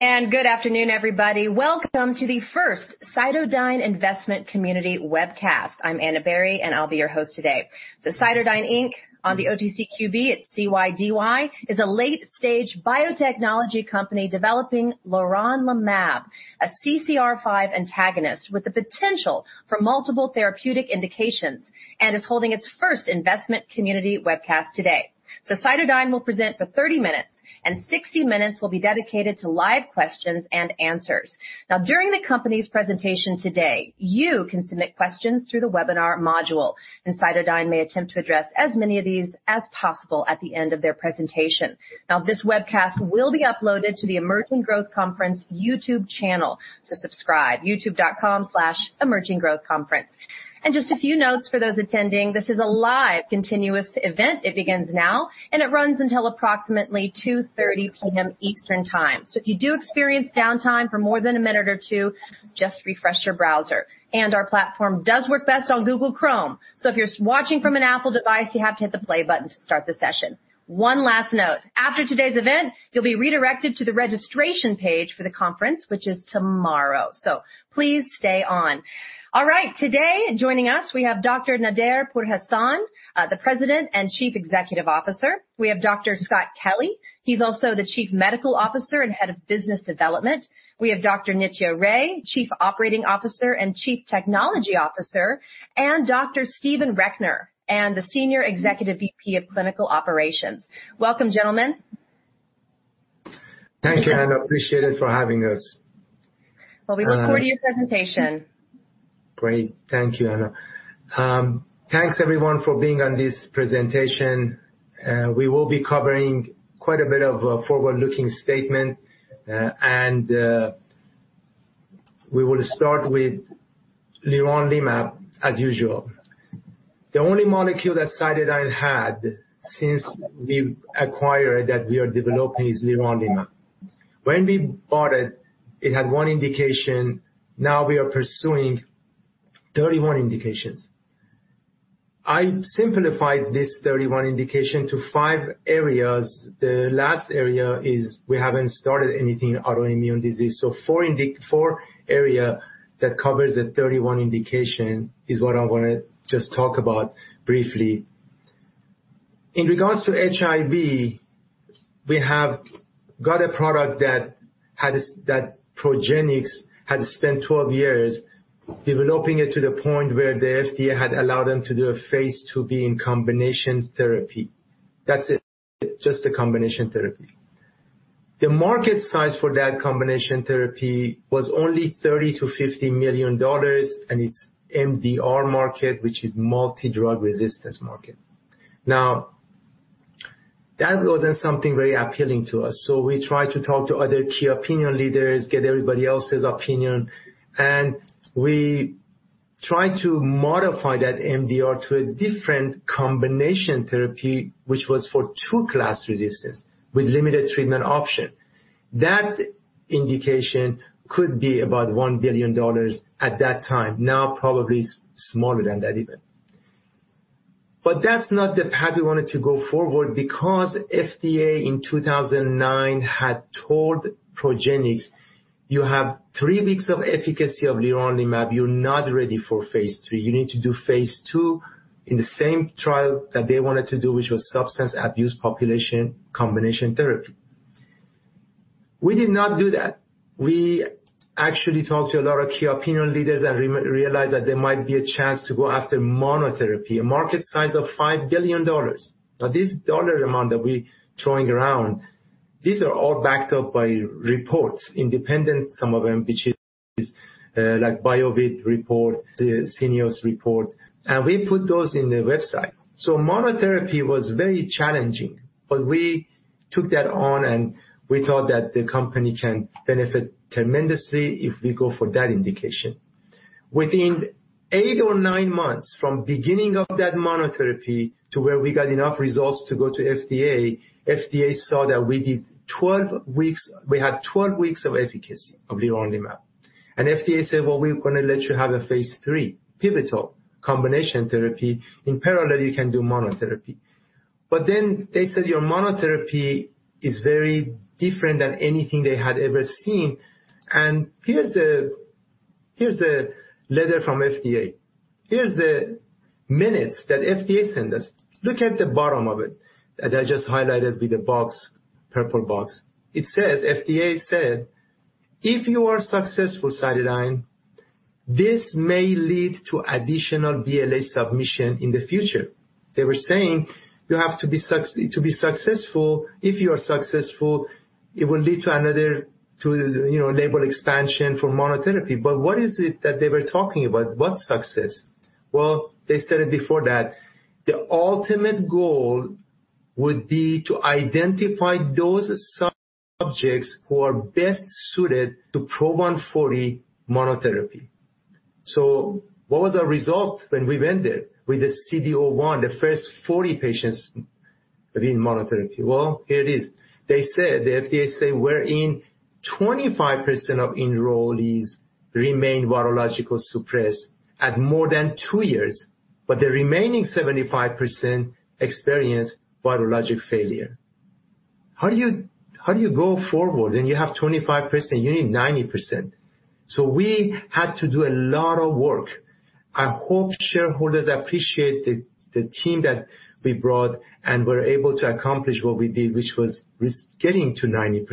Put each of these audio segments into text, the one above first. Good afternoon, everybody. Welcome to the first CytoDyn Investment Community Webcast. I'm Ana Berry, and I'll be your host today. CytoDyn Inc. on the OTCQB, it's CYDY, is a late-stage biotechnology company developing leronlimab, a CCR5 antagonist with the potential for multiple therapeutic indications, and is holding its first investment community webcast today. CytoDyn will present for 30 minutes, and 60 minutes will be dedicated to live questions and answers. During the company's presentation today, you can submit questions through the webinar module, and CytoDyn may attempt to address as many of these as possible at the end of their presentation. This webcast will be uploaded to the Emerging Growth Conference YouTube channel, so subscribe. youtube.com/emerginggrowthconference. Just a few notes for those attending. This is a live, continuous event. It begins now, and it runs until approximately 2:30 P.M. Eastern Time. If you do experience downtime for more than a minute or two, just refresh your browser. Our platform does work best on Google Chrome, so if you're watching from an Apple device, you have to hit the Play button to start the session. One last note. After today's event, you'll be redirected to the registration page for the conference, which is tomorrow. Please stay on. All right. Today joining us, we have Dr. Nader Pourhassan, the President and Chief Executive Officer. We have Dr. Scott Kelly. He's also the Chief Medical Officer and Head of Business Development. We have Dr. Nitya Ray, Chief Operating Officer and Chief Technology Officer, and Dr. Christopher Recknor, the Senior Executive VP of Clinical Operations. Welcome, gentlemen. Thank you, Ana. I appreciate it for having us. Well, we look forward to your presentation. Great. Thank you, Ana. Thanks, everyone, for being on this presentation. We will be covering quite a bit of a forward-looking statement, and we will start with leronlimab as usual. The only molecule that CytoDyn had since we acquired that we are developing is leronlimab. When we bought it had one indication. Now we are pursuing 31 indications. I simplified these 31 indications to five areas. The last area is we haven't started anything autoimmune disease. So four areas that covers the 31 indications is what I wanna just talk about briefly. In regards to HIV, we have got a product that Progenics had spent 12 years developing it to the point where the FDA had allowed them to do a phase II-B in combination therapy. That's it. Just a combination therapy. The market size for that combination therapy was only $30 million-$50 million, and it's MDR market, which is multi-drug resistance market. Now, that wasn't something very appealing to us, so we tried to talk to other key opinion leaders, get everybody else's opinion, and we tried to modify that MDR to a different combination therapy, which was for two class resistance with limited treatment option. That indication could be about $1 billion at that time. Now, probably smaller than that even. That's not the path we wanted to go forward because FDA in 2009 had told Progenics, "You have three weeks of efficacy of leronlimab. You're not ready for phase III. You need to do phase II," in the same trial that they wanted to do, which was substance abuse population combination therapy. We did not do that. We actually talked to a lot of key opinion leaders and re-realized that there might be a chance to go after monotherapy, a market size of $5 billion. Now, this dollar amount that we throwing around, these are all backed up by reports, independent, some of them, which is, like BioVie report, the Sinews report, and we put those in the website. Monotherapy was very challenging, but we took that on, and we thought that the company can benefit tremendously if we go for that indication. Within eight or nine months from beginning of that monotherapy to where we got enough results to go to FDA saw that we did 12 weeks. We had 12 weeks of efficacy of leronlimab. FDA said, "Well, we're gonna let you have a phase III pivotal combination therapy. In parallel, you can do monotherapy. Then they said your monotherapy is very different than anything they had ever seen, and here's the letter from FDA. Here's the minutes that FDA sent us. Look at the bottom of it that I just highlighted with the box, purple box. It says, FDA said, "If you are successful, CytoDyn, this may lead to additional BLA submission in the future." They were saying, "You have to be successful, if you are successful, it will lead to another, you know, label expansion for monotherapy." What is it that they were talking about? What success? Well, they said it before that. The ultimate goal would be to identify those sub-populations who are best suited to PRO 140 monotherapy. What was our result when we went there with the CD01, the first 40 patients in monotherapy? Well, here it is. They said, the FDA say wherein 25% of enrollees remained virologically suppressed at more than two years. The remaining 75% experience virologic failure. How do you go forward when you have 25%, you need 90%? We had to do a lot of work. I hope shareholders appreciate the team that we brought and were able to accomplish what we did, which was getting to 90%.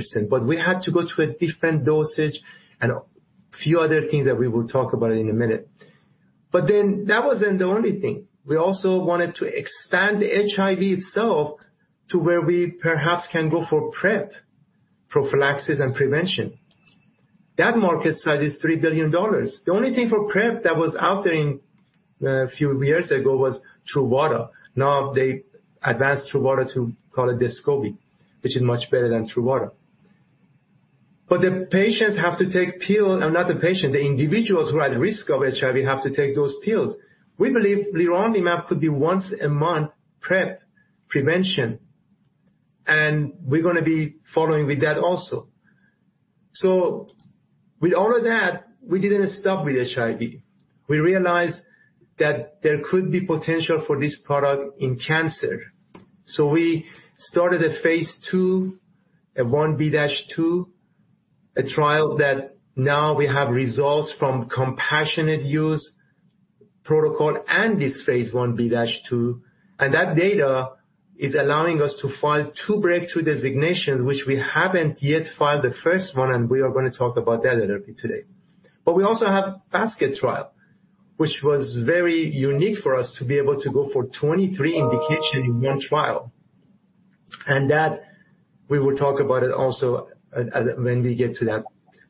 We had to go to a different dosage and a few other things that we will talk about in a minute. That wasn't the only thing. We also wanted to expand HIV itself to where we perhaps can go for PrEP, prophylaxis and prevention. That market size is $3 billion. The only thing for PrEP that was out there a few years ago was Truvada. Now they advanced Truvada to call it Descovy, which is much better than Truvada. The patients have to take pills. Not the patient. The individuals who are at risk of HIV have to take those pills. We believe leronlimab could be once a month PrEP prevention, and we're gonna be following with that also. With all of that, we didn't stop with HIV. We realized that there could be potential for this product in cancer. We started a phase II, a phase I-B trial that now we have results from compassionate use protocol and this phase I-B/II, and that data is allowing us to file two breakthrough designations, which we haven't yet filed the first one, and we are gonna talk about that a little bit today. We also have basket trial, which was very unique for us to be able to go for 23 indications in one trial. That we will talk about it also when we get to that.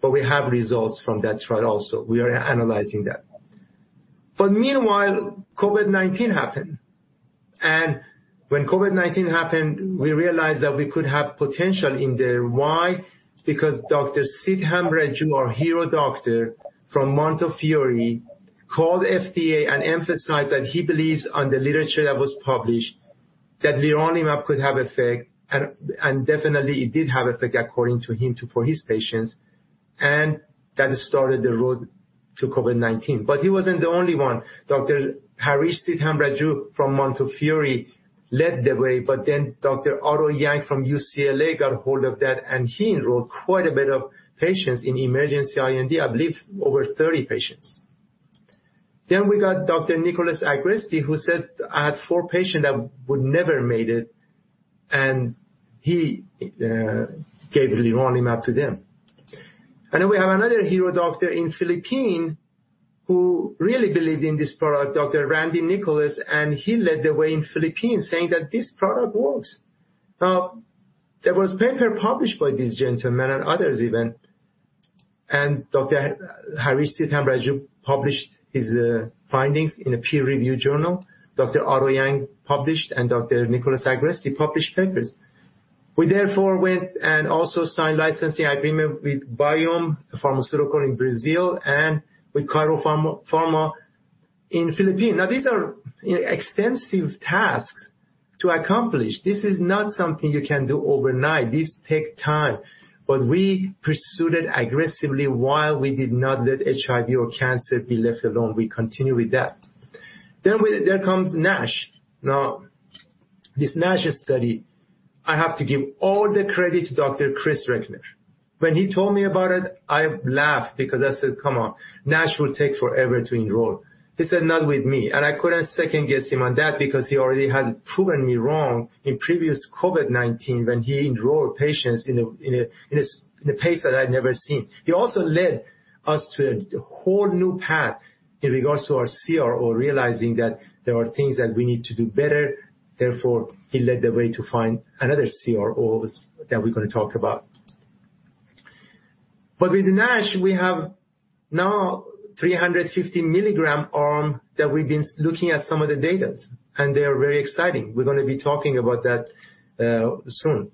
We have results from that trial also. We are analyzing that. Meanwhile, COVID-19 happened. When COVID-19 happened, we realized that we could have potential in there. Why? Because Dr. Harish Seethamraju, our hero doctor from Montefiore, called FDA and emphasized that he believes in the literature that was published, that leronlimab could have effect. And definitely it did have effect according to him for his patients. That started the road to COVID-19. He wasn't the only one. Dr. Harish Seethamraju from Montefiore led the way, but then Dr. Otto Yang from UCLA got ahold of that, and he enrolled quite a bit of patients in emergency IND, I believe over 30 patients. We got Dr. Nicholas Agresti, who said, "I have four patients that would never made it," and he gave leronlimab to them. We have another hero doctor in Philippines who really believed in this product, Dr. Randy Nicolas, and he led the way in Philippines saying that this product works. Now, there was a paper published by these gentlemen and others even, and Dr. Harish Seethamraju published his findings in a peer-reviewed journal. Dr. Otto Yang published, and Dr. Nicholas Agresti published papers. We therefore went and also signed a licensing agreement with Biomm in Brazil and with Chiral Pharma in Philippines. Now, these are extensive tasks to accomplish. This is not something you can do overnight. These take time. We pursued it aggressively while we did not let HIV or cancer be left alone. We continue with that. There comes NASH. Now, this NASH study, I have to give all the credit to Dr. Chris Recknor. When he told me about it, I laughed because I said, "Come on, NASH will take forever to enroll." He said, "Not with me." I couldn't second-guess him on that because he already had proven me wrong in previous COVID-19 when he enrolled patients in a pace that I'd never seen. He also led us to a whole new path in regards to our CRO, realizing that there are things that we need to do better. Therefore, he led the way to find another CROs that we're gonna talk about. With NASH, we have now 350 milligram arm that we've been looking at some of the data, and they are very exciting. We're gonna be talking about that soon.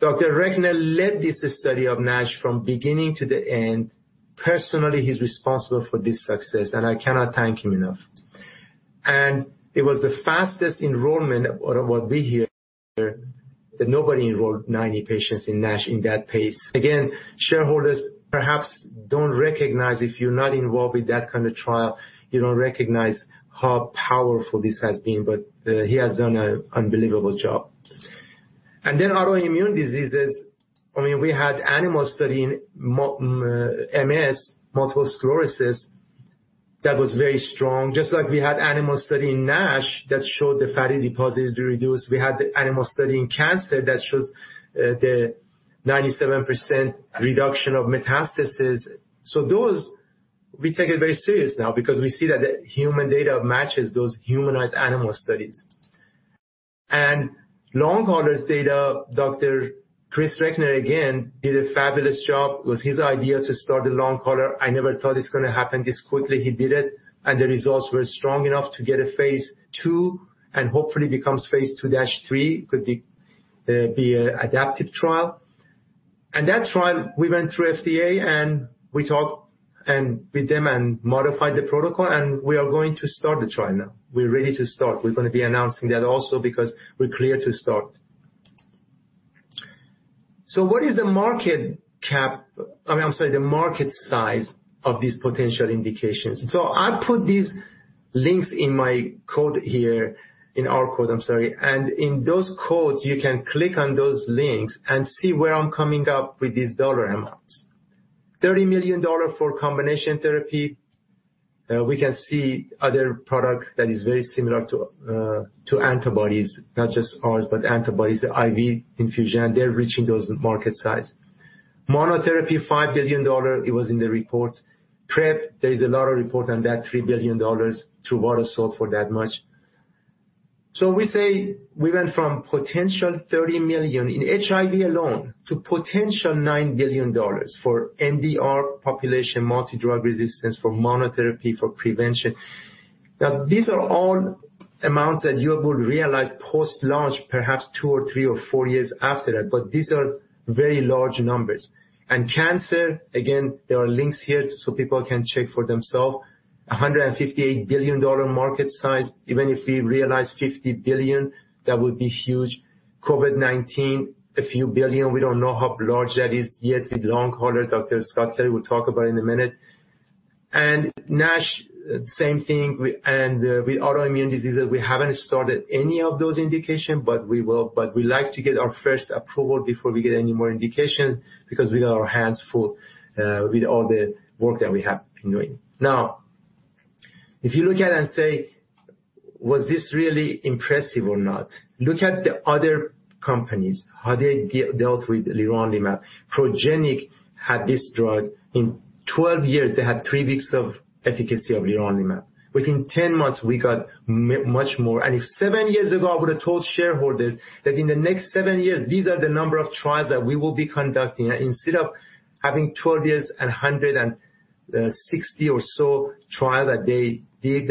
Dr. Recknor led this study of NASH from beginning to the end. Personally, he's responsible for this success, and I cannot thank him enough. It was the fastest enrollment or what we hear that nobody enrolled 90 patients in NASH in that pace. Again, shareholders perhaps don't recognize if you're not involved with that kind of trial, you don't recognize how powerful this has been. He has done an unbelievable job. Then autoimmune diseases. I mean, we had animal study in MS, multiple sclerosis, that was very strong. Just like we had animal study in NASH that showed the fatty deposits reduced. We had the animal study in cancer that shows the 97% reduction of metastasis. Those we take it very serious now because we see that the human data matches those humanized animal studies. Long haulers data, Dr. Chris Reckner again, did a fabulous job. It was his idea to start the long hauler. I never thought it's gonna happen this quickly. He did it, and the results were strong enough to get a phase II and hopefully becomes phase II-III. Could be a adaptive trial. That trial, we went through FDA and we talked with them and modified the protocol and we are going to start the trial now. We're ready to start. We're gonna be announcing that also because we're clear to start. What is the market cap—I mean, I'm sorry, the market size of these potential indications? I put these links in my code here, in our code, I'm sorry. In those codes, you can click on those links and see where I'm coming up with these dollar amounts. $30 million for combination therapy. We can see other product that is very similar to antibodies, not just ours, but antibodies, IV infusion, they're reaching those market size. Monotherapy, $5 billion, it was in the report. PrEP, there is a lot of report on that, $3 billion. Truvada sold for that much. We say we went from potential $30 million in HIV alone to potential $9 billion for MDR population, multi-drug resistance for monotherapy, for prevention. Now, these are all amounts that you would realize post-launch, perhaps two or three or four years after that, but these are very large numbers. Cancer, again, there are links here, so people can check for themselves. A $158 billion market size. Even if we realize $50 billion, that would be huge. COVID-19, a few billion. We don't know how large that is yet with long haulers. Dr. Scott Kelly will talk about in a minute. NASH, same thing. With autoimmune diseases, we haven't started any of those indication, but we will. But we like to get our first approval before we get any more indication because we got our hands full with all the work that we have been doing. Now, if you look at and say, "Was this really impressive or not?" Look at the other companies, how they dealt with leronlimab. Progenics had this drug. In 12 years, they had three weeks of efficacy of leronlimab. Within 10 months, we got much more. If seven years ago, I would have told shareholders that in the next 7 years, these are the number of trials that we will be conducting, instead of having 12 years and 160 or so trials that they did,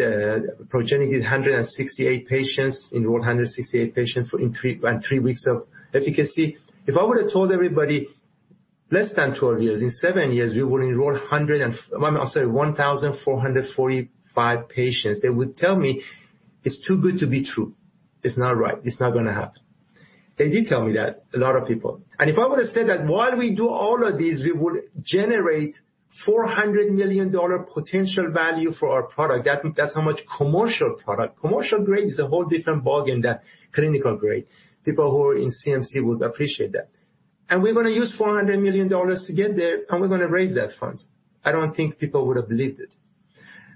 Progenics did 168 patients, enrolled 168 patients in three and three weeks of efficacy. If I would have told everybody, less than 12 years, in seven years, we will enroll 1,445 patients, they would tell me, "It's too good to be true. It's not right. It's not gonna happen." They did tell me that, a lot of people. If I would've said that while we do all of these, we would generate $400 million potential value for our product. That, that's how much commercial product. Commercial grade is a whole different ballgame than clinical grade. People who are in CMC would appreciate that. We're gonna use $400 million to get there, and we're gonna raise that funds. I don't think people would have believed it.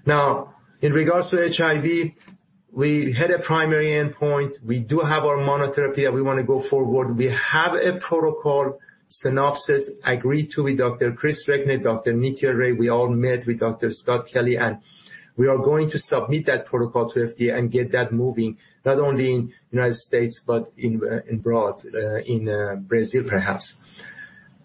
Now, in regards to HIV, we had a primary endpoint. We do have our monotherapy, and we wanna go forward. We have a protocol synopsis agreed to with Dr. Chris Recknor, Dr. Nitya Ray. We all met with Dr. Scott Kelly, and we are going to submit that protocol to FDA and get that moving, not only in United States, but in abroad, Brazil, perhaps.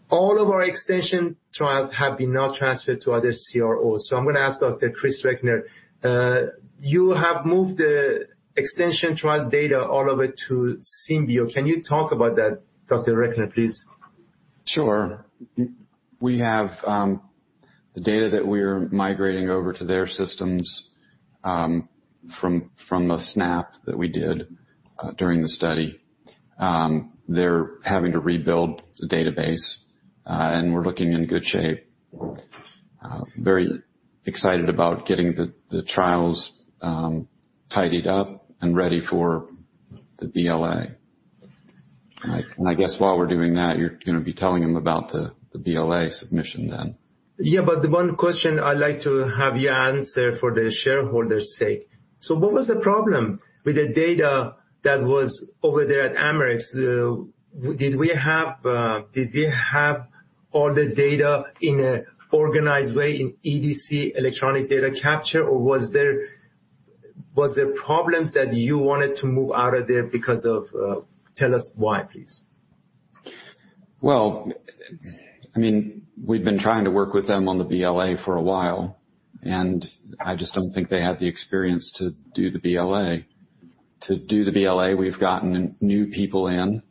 All of our extension trials have been now transferred to other CROs. I'm gonna ask Dr. Chris Recknor, you have moved the extension trial data all over to Symbio. Can you talk about that, Dr. Recknor, please? Sure. We have the data that we're migrating over to their systems from the snap that we did during the study. They're having to rebuild the database, and we're looking in good shape. Very excited about getting the trials tidied up and ready for the BLA. I guess while we're doing that, you're gonna be telling them about the BLA submission then. Yeah, but the one question I like to have you answer for the shareholders' sake. What was the problem with the data that was over there at Amarex? Did we have all the data in a organized way in EDC, electronic data capture, or was there problems that you wanted to move out of there because of? Tell us why, please. I mean, we've been trying to work with them on the BLA for a while, and I just don't think they had the experience to do the BLA. To do the BLA, we've gotten new people in,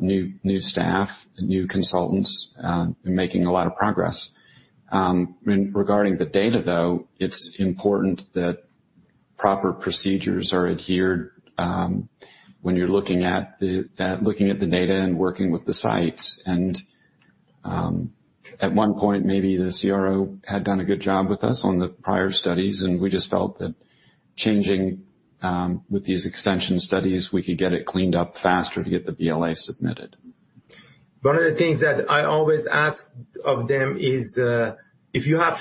new staff, new consultants, and making a lot of progress. Regarding the data, though, it's important that proper procedures are adhered when you're looking at the data and working with the sites. At one point, maybe the CRO had done a good job with us on the prior studies, and we just felt that changing with these extension studies, we could get it cleaned up faster to get the BLA submitted. One of the things that I always ask of them is, if you have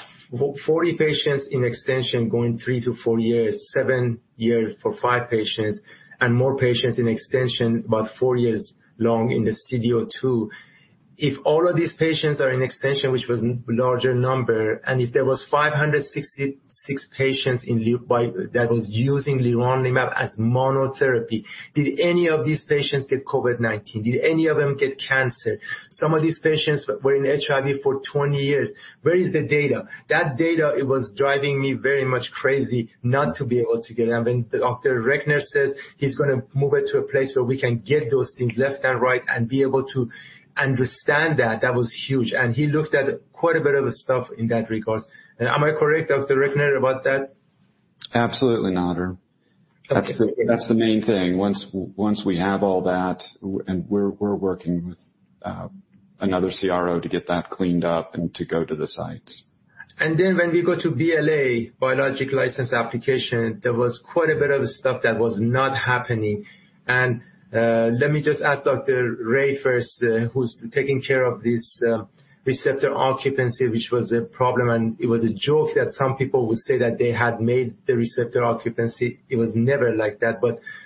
40 patients in extension going three to four years, seven years for five patients, and more patients in extension, about four years long in the CD02, too. If all of these patients are in extension, which was larger number, and if there was 566 patients in open-label that was using leronlimab as monotherapy, did any of these patients get COVID-19? Did any of them get cancer? Some of these patients were in HIV for 20 years. Where is the data? That data, it was driving me very much crazy not to be able to get it. I mean, Dr. Recknor says he's gonna move it to a place where we can get those things left and right and be able to understand that. That was huge. He looked at quite a bit of stuff in that regard. Am I correct, Dr. Recknor, about that? Absolutely, Nader. That's the main thing. Once we have all that, and we're working with another CRO to get that cleaned up and to go to the sites. When we go to BLA, biologic license application, there was quite a bit of stuff that was not happening. Let me just ask Dr. Ray first, who's taking care of this, receptor occupancy, which was a problem. It was a joke that some people would say that they had made the receptor occupancy. It was never like that.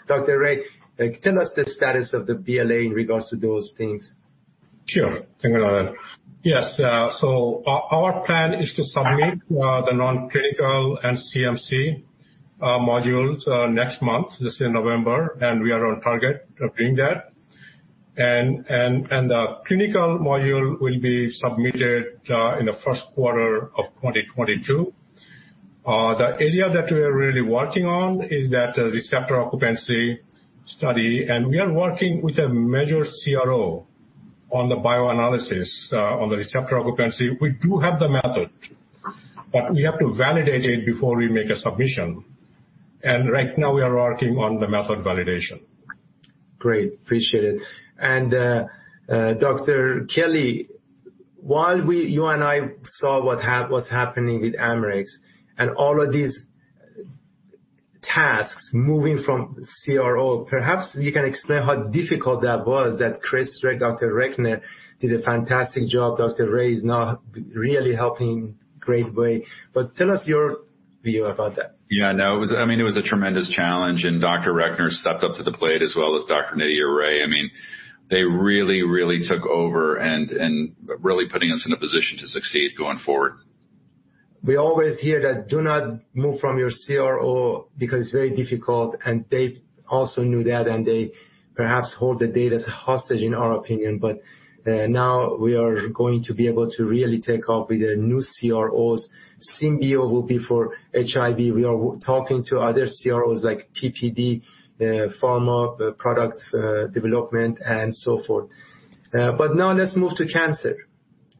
Dr. Ray, like, tell us the status of the BLA in regards to those things. Sure, thank you, Nader. Yes, our plan is to submit the non-clinical and CMC modules next month, this year, November, and we are on target of doing that. The clinical module will be submitted in the first quarter of 2022. The area that we are really working on is that receptor occupancy study. We are working with a major CRO on the bioanalysis on the receptor occupancy. We do have the method, but we have to validate it before we make a submission. Right now we are working on the method validation. Great. Appreciate it. Dr. Kelly, while you and I saw what's happening with Amarex and all of these tasks moving from CRO, perhaps you can explain how difficult that was. That Chris Recknor, Dr. Recknor, did a fantastic job. Dr. Ray is now really helping great way, but tell us your view about that. Yeah, no, it was I mean, it was a tremendous challenge, and Dr. Recknor stepped up to the plate as well as Dr. Nitya Ray. I mean, they really took over and really putting us in a position to succeed going forward. We always hear that do not move from your CRO because it's very difficult, and they also knew that, and they perhaps hold the data hostage in our opinion. Now we are going to be able to really take off with the new CROs. Symbio will be for HIV. We are talking to other CROs like PPD, Parexel, and so forth. Now let's move to cancer.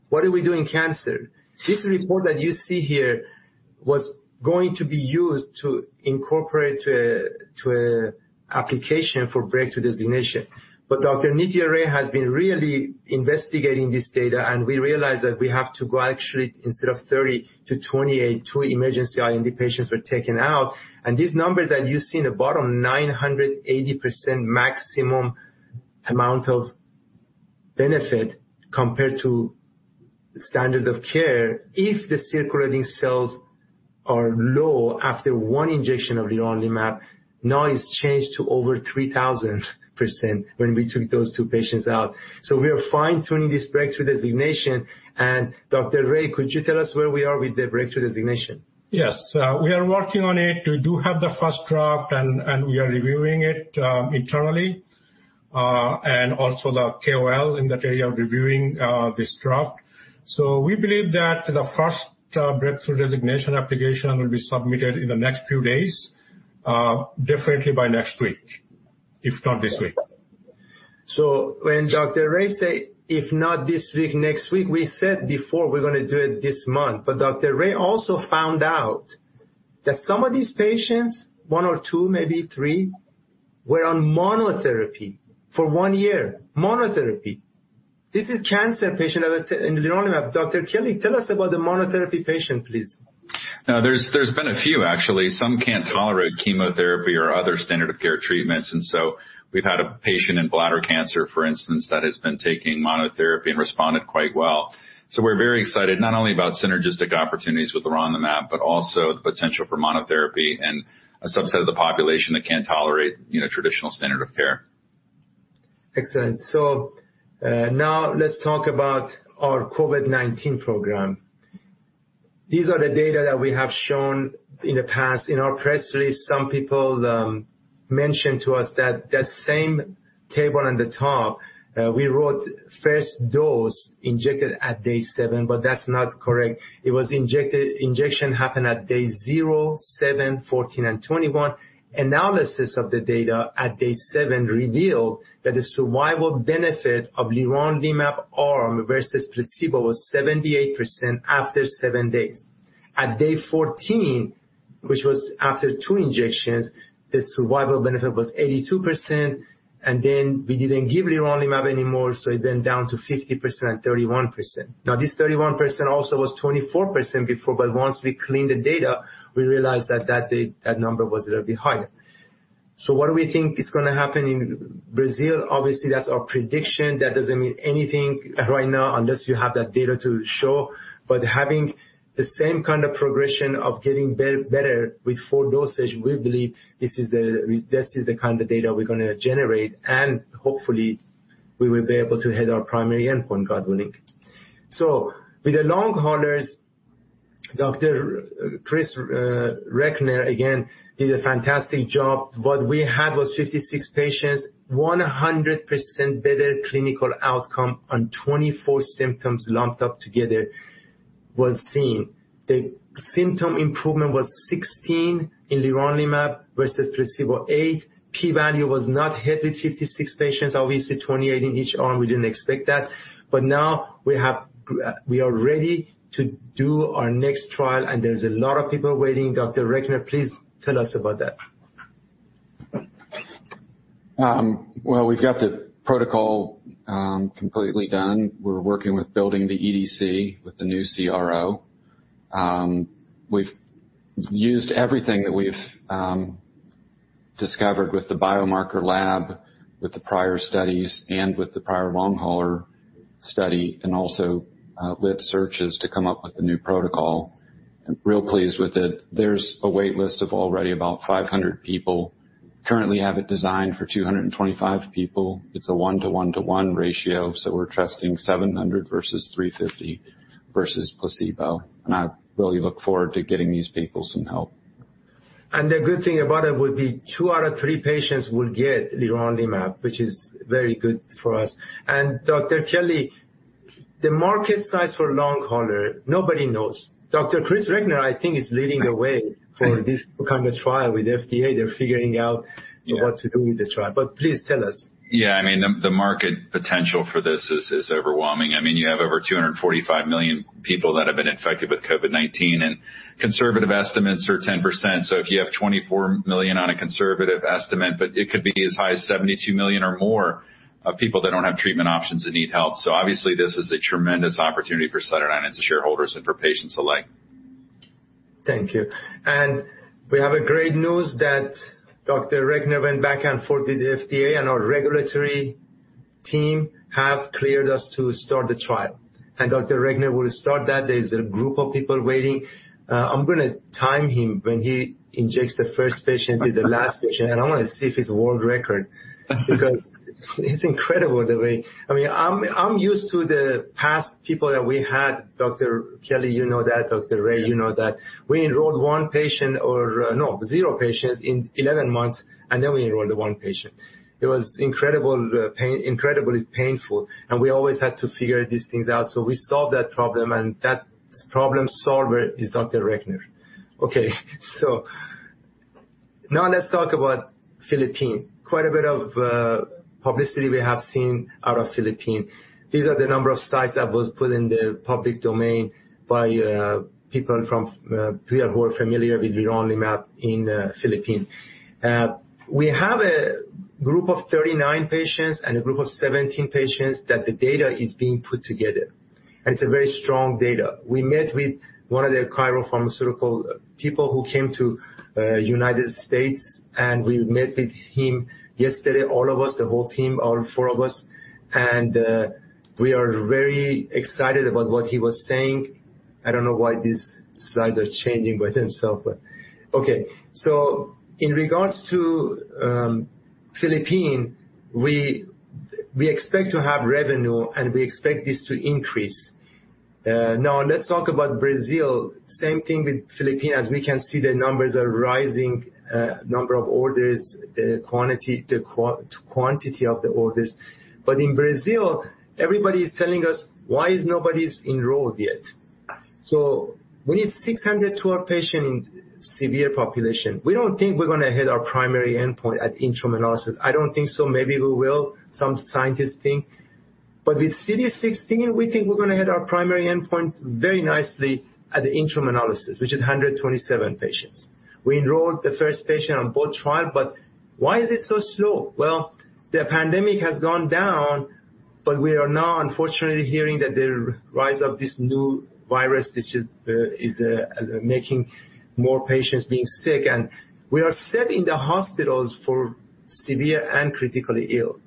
What are we doing in cancer? This report that you see here was going to be used to incorporate to an application for breakthrough designation. Dr. Nitya Ray has been really investigating this data, and we realized that we have to go actually instead of 30 to 28, two emergency IND patients were taken out. These numbers that you see in the bottom, 980% maximum amount of benefit compared to standard of care if the circulating cells are low after one injection of leronlimab. Now it's changed to over 3,000% when we took those two patients out. We are fine-tuning this breakthrough designation, and Dr. Ray, could you tell us where we are with the breakthrough designation? Yes. We are working on it. We do have the first draft and we are reviewing it internally and also the KOL in that area reviewing this draft. We believe that the first breakthrough designation application will be submitted in the next few days, definitely by next week, if not this week. When Dr. Ray say, "If not this week, next week," we said before we're gonna do it this month. But Dr. Ray also found out that some of these patients, one or two, maybe three, were on monotherapy for one year. Monotherapy. This is cancer patient in leronlimab. Dr. Kelly, tell us about the monotherapy patient, please. Now, there's been a few, actually. Some can't tolerate chemotherapy or other standard of care treatments, and so we've had a patient in bladder cancer, for instance, that has been taking monotherapy and responded quite well. We're very excited not only about synergistic opportunities with liraglutide, but also the potential for monotherapy and a subset of the population that can't tolerate, you know, traditional standard of care. Excellent. Now let's talk about our COVID-19 program. These are the data that we have shown in the past. In our press release, some people mentioned to us that that same table on the top, we wrote first dose injected at day seven, but that's not correct. It was injected, injection happened at day zero, seven, 14, and 21. Analysis of the data at day seven revealed that the survival benefit of leronlimab arm versus placebo was 78% after seven days. At day 14, which was after two injections, the survival benefit was 82%, and then we didn't give leronlimab anymore, so it went down to 50%, 31%. Now, this 31% also was 24% before, but once we cleaned the data, we realized that that day, that number was a little bit higher. What do we think is gonna happen in Brazil? Obviously, that's our prediction. That doesn't mean anything right now unless you have that data to show. Having the same kind of progression of getting better with four dosage, we believe this is the kind of data we're gonna generate, and hopefully, we will be able to hit our primary endpoint, God willing. With the long haulers, Dr. Chris Reckner again did a fantastic job. What we had was 56 patients, 100% better clinical outcome on 24 symptoms lumped up together was seen. The symptom improvement was 16 in leronlimab versus placebo eight. P-value was not hit with 56 patients. Obviously, 28 in each arm. We didn't expect that. Now we are ready to do our next trial, and there's a lot of people waiting. Dr. Recknor, please tell us about that. Well, we've got the protocol completely done. We're working with building the EDC with the new CRO. We've used everything that we've discovered with the biomarker lab, with the prior studies, and with the prior long hauler study, and also, lit searches to come up with a new protocol. I'm real pleased with it. There's a wait list of already about 500 people. We currently have it designed for 225 people. It's a one-to-one-to-one ratio, so we're testing 700 versus 350 versus placebo. I really look forward to getting these people some help. The good thing about it would be two out of three patients will get leronlimab, which is very good for us. Dr. Kelly, the market size for long hauler, nobody knows. Dr. Chris Recknor, I think, is leading the way for this kind of trial with FDA. They're figuring out what to do with the trial. Please tell us. Yeah, I mean, the market potential for this is overwhelming. I mean, you have over 245 million people that have been infected with COVID-19, and conservative estimates are 10%. If you have 24 million on a conservative estimate, but it could be as high as 72 million or more of people that don't have treatment options and need help. Obviously, this is a tremendous opportunity for CytoDyn and its shareholders and for patients alike. Thank you. We have great news that Dr. Recknor went back and forth with the FDA, and our regulatory team have cleared us to start the trial. Dr. Recknor will start that. There's a group of people waiting. I'm gonna time him when he injects the first patient to the last patient, and I wanna see if it's a world record because it's incredible the way. I mean, I'm used to the past people that we had, Dr. Kelly, you know that, Dr. Ray, you know that. We enrolled zero patients in 11 months, and then we enrolled the 1 patient. It was incredibly painful, and we always had to figure these things out. We solved that problem, and that problem solver is Dr. Recknor. Okay. Now let's talk about Philippines. Quite a bit of publicity we have seen out of Philippines. These are the number of sites that was put in the public domain by people from Philippines who are familiar with leronlimab in Philippines. We have a group of 39 patients and a group of 17 patients that the data is being put together, and it's a very strong data. We met with one of the Chiral Pharma people who came to United States, and we met with him yesterday, all of us, the whole team, all four of us. We are very excited about what he was saying. I don't know why these slides are changing by themselves, but okay. In regards to Philippines, we expect to have revenue, and we expect this to increase. Now let's talk about Brazil. Same thing with Philippines. We can see the numbers are rising, number of orders, the quantity of the orders. In Brazil, everybody is telling us, "Why is nobody enrolled yet?" We need 600 to our patients in severe population. We don't think we're gonna hit our primary endpoint at interim analysis. I don't think so. Maybe we will. Some scientists think. With CD16, we think we're gonna hit our primary endpoint very nicely at the interim analysis, which is 127 patients. We enrolled the first patient on both trials, but why is it so slow? Well, the pandemic has gone down, but we are now unfortunately hearing that the rise of this new virus, which is making more patients being sick. We are seeing in the hospitals for severe and critically ill.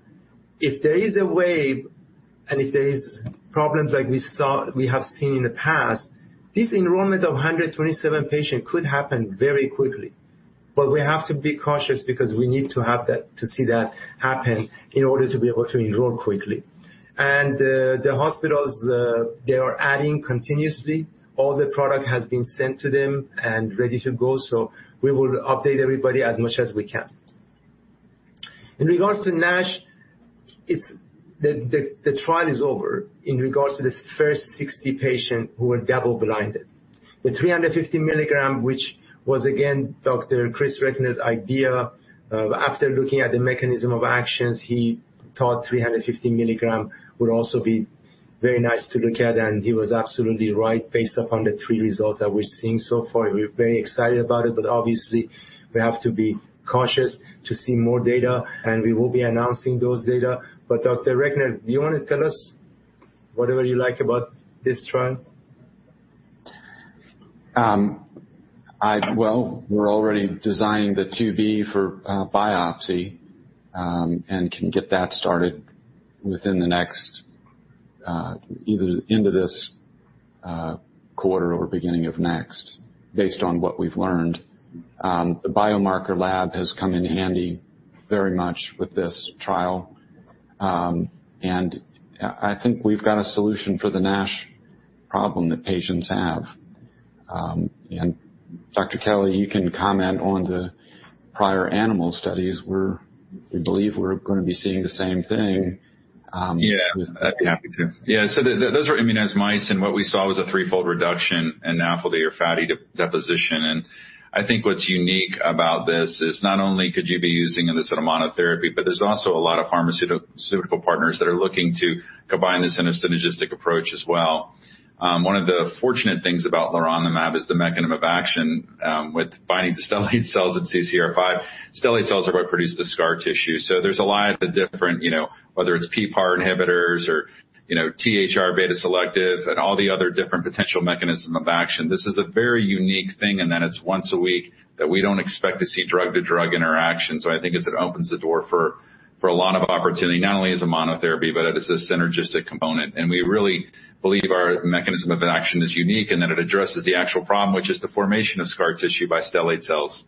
If there is a wave, and if there is problems like we have seen in the past, this enrollment of 127 patients could happen very quickly. We have to be cautious because we need to have that to see that happen in order to be able to enroll quickly. The hospitals, they are adding continuously. All the product has been sent to them and ready to go, so we will update everybody as much as we can. In regards to NASH, it's the trial is over in regards to this first 60 patient who were double blinded. The 350 milligram, which was again, Dr. Chris Recknor's idea. After looking at the mechanism of actions, he thought 350 mg would also be very nice to look at, and he was absolutely right based upon the three results that we're seeing so far. We're very excited about it, but obviously we have to be cautious to see more data, and we will be announcing those data. Dr. Recknor, do you wanna tell us whatever you like about this trial? Well, we're already designing the IIb for biopsy and can get that started within the next, either end of this quarter or beginning of next based on what we've learned. The biomarker lab has come in handy very much with this trial, and I think we've got a solution for the NASH problem that patients have. Dr. Kelly, you can comment on the prior animal studies. We believe we're gonna be seeing the same thing. Yeah. I'd be happy to. Yeah. Those were immunized mice, and what we saw was a threefold reduction in fibrosis or fatty deposition. I think what's unique about this is not only could you be using this in a monotherapy, but there's also a lot of pharmaceutical partners that are looking to combine this in a synergistic approach as well. One of the fortunate things about leronlimab is the mechanism of action, with binding to stellate cells and CCR5. Stellate cells are what produce the scar tissue. There's a lot of different, you know, whether it's PPAR inhibitors or, you know, THR-β selective and all the other different potential mechanism of action. This is a very unique thing and then it's once a week that we don't expect to see drug-to-drug interactions. I think it opens the door for a lot of opportunity, not only as a monotherapy, but as a synergistic component. We really believe our mechanism of action is unique and that it addresses the actual problem, which is the formation of scar tissue by stellate cells.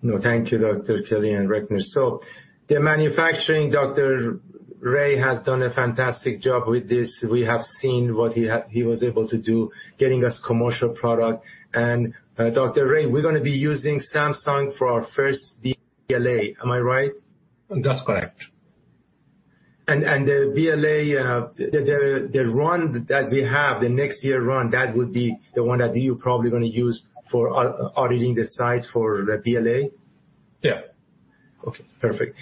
No, thank you, Dr. Kelly and Recknor. The manufacturing, Dr. Ray has done a fantastic job with this. We have seen what he was able to do, getting us commercial product. Dr. Ray, we're gonna be using Samsung for our first BLA, am I right? That's correct. The BLA, the run that we have, the next year run, that would be the one that you're probably gonna use for auditing the site for the BLA? Yeah. Okay, perfect.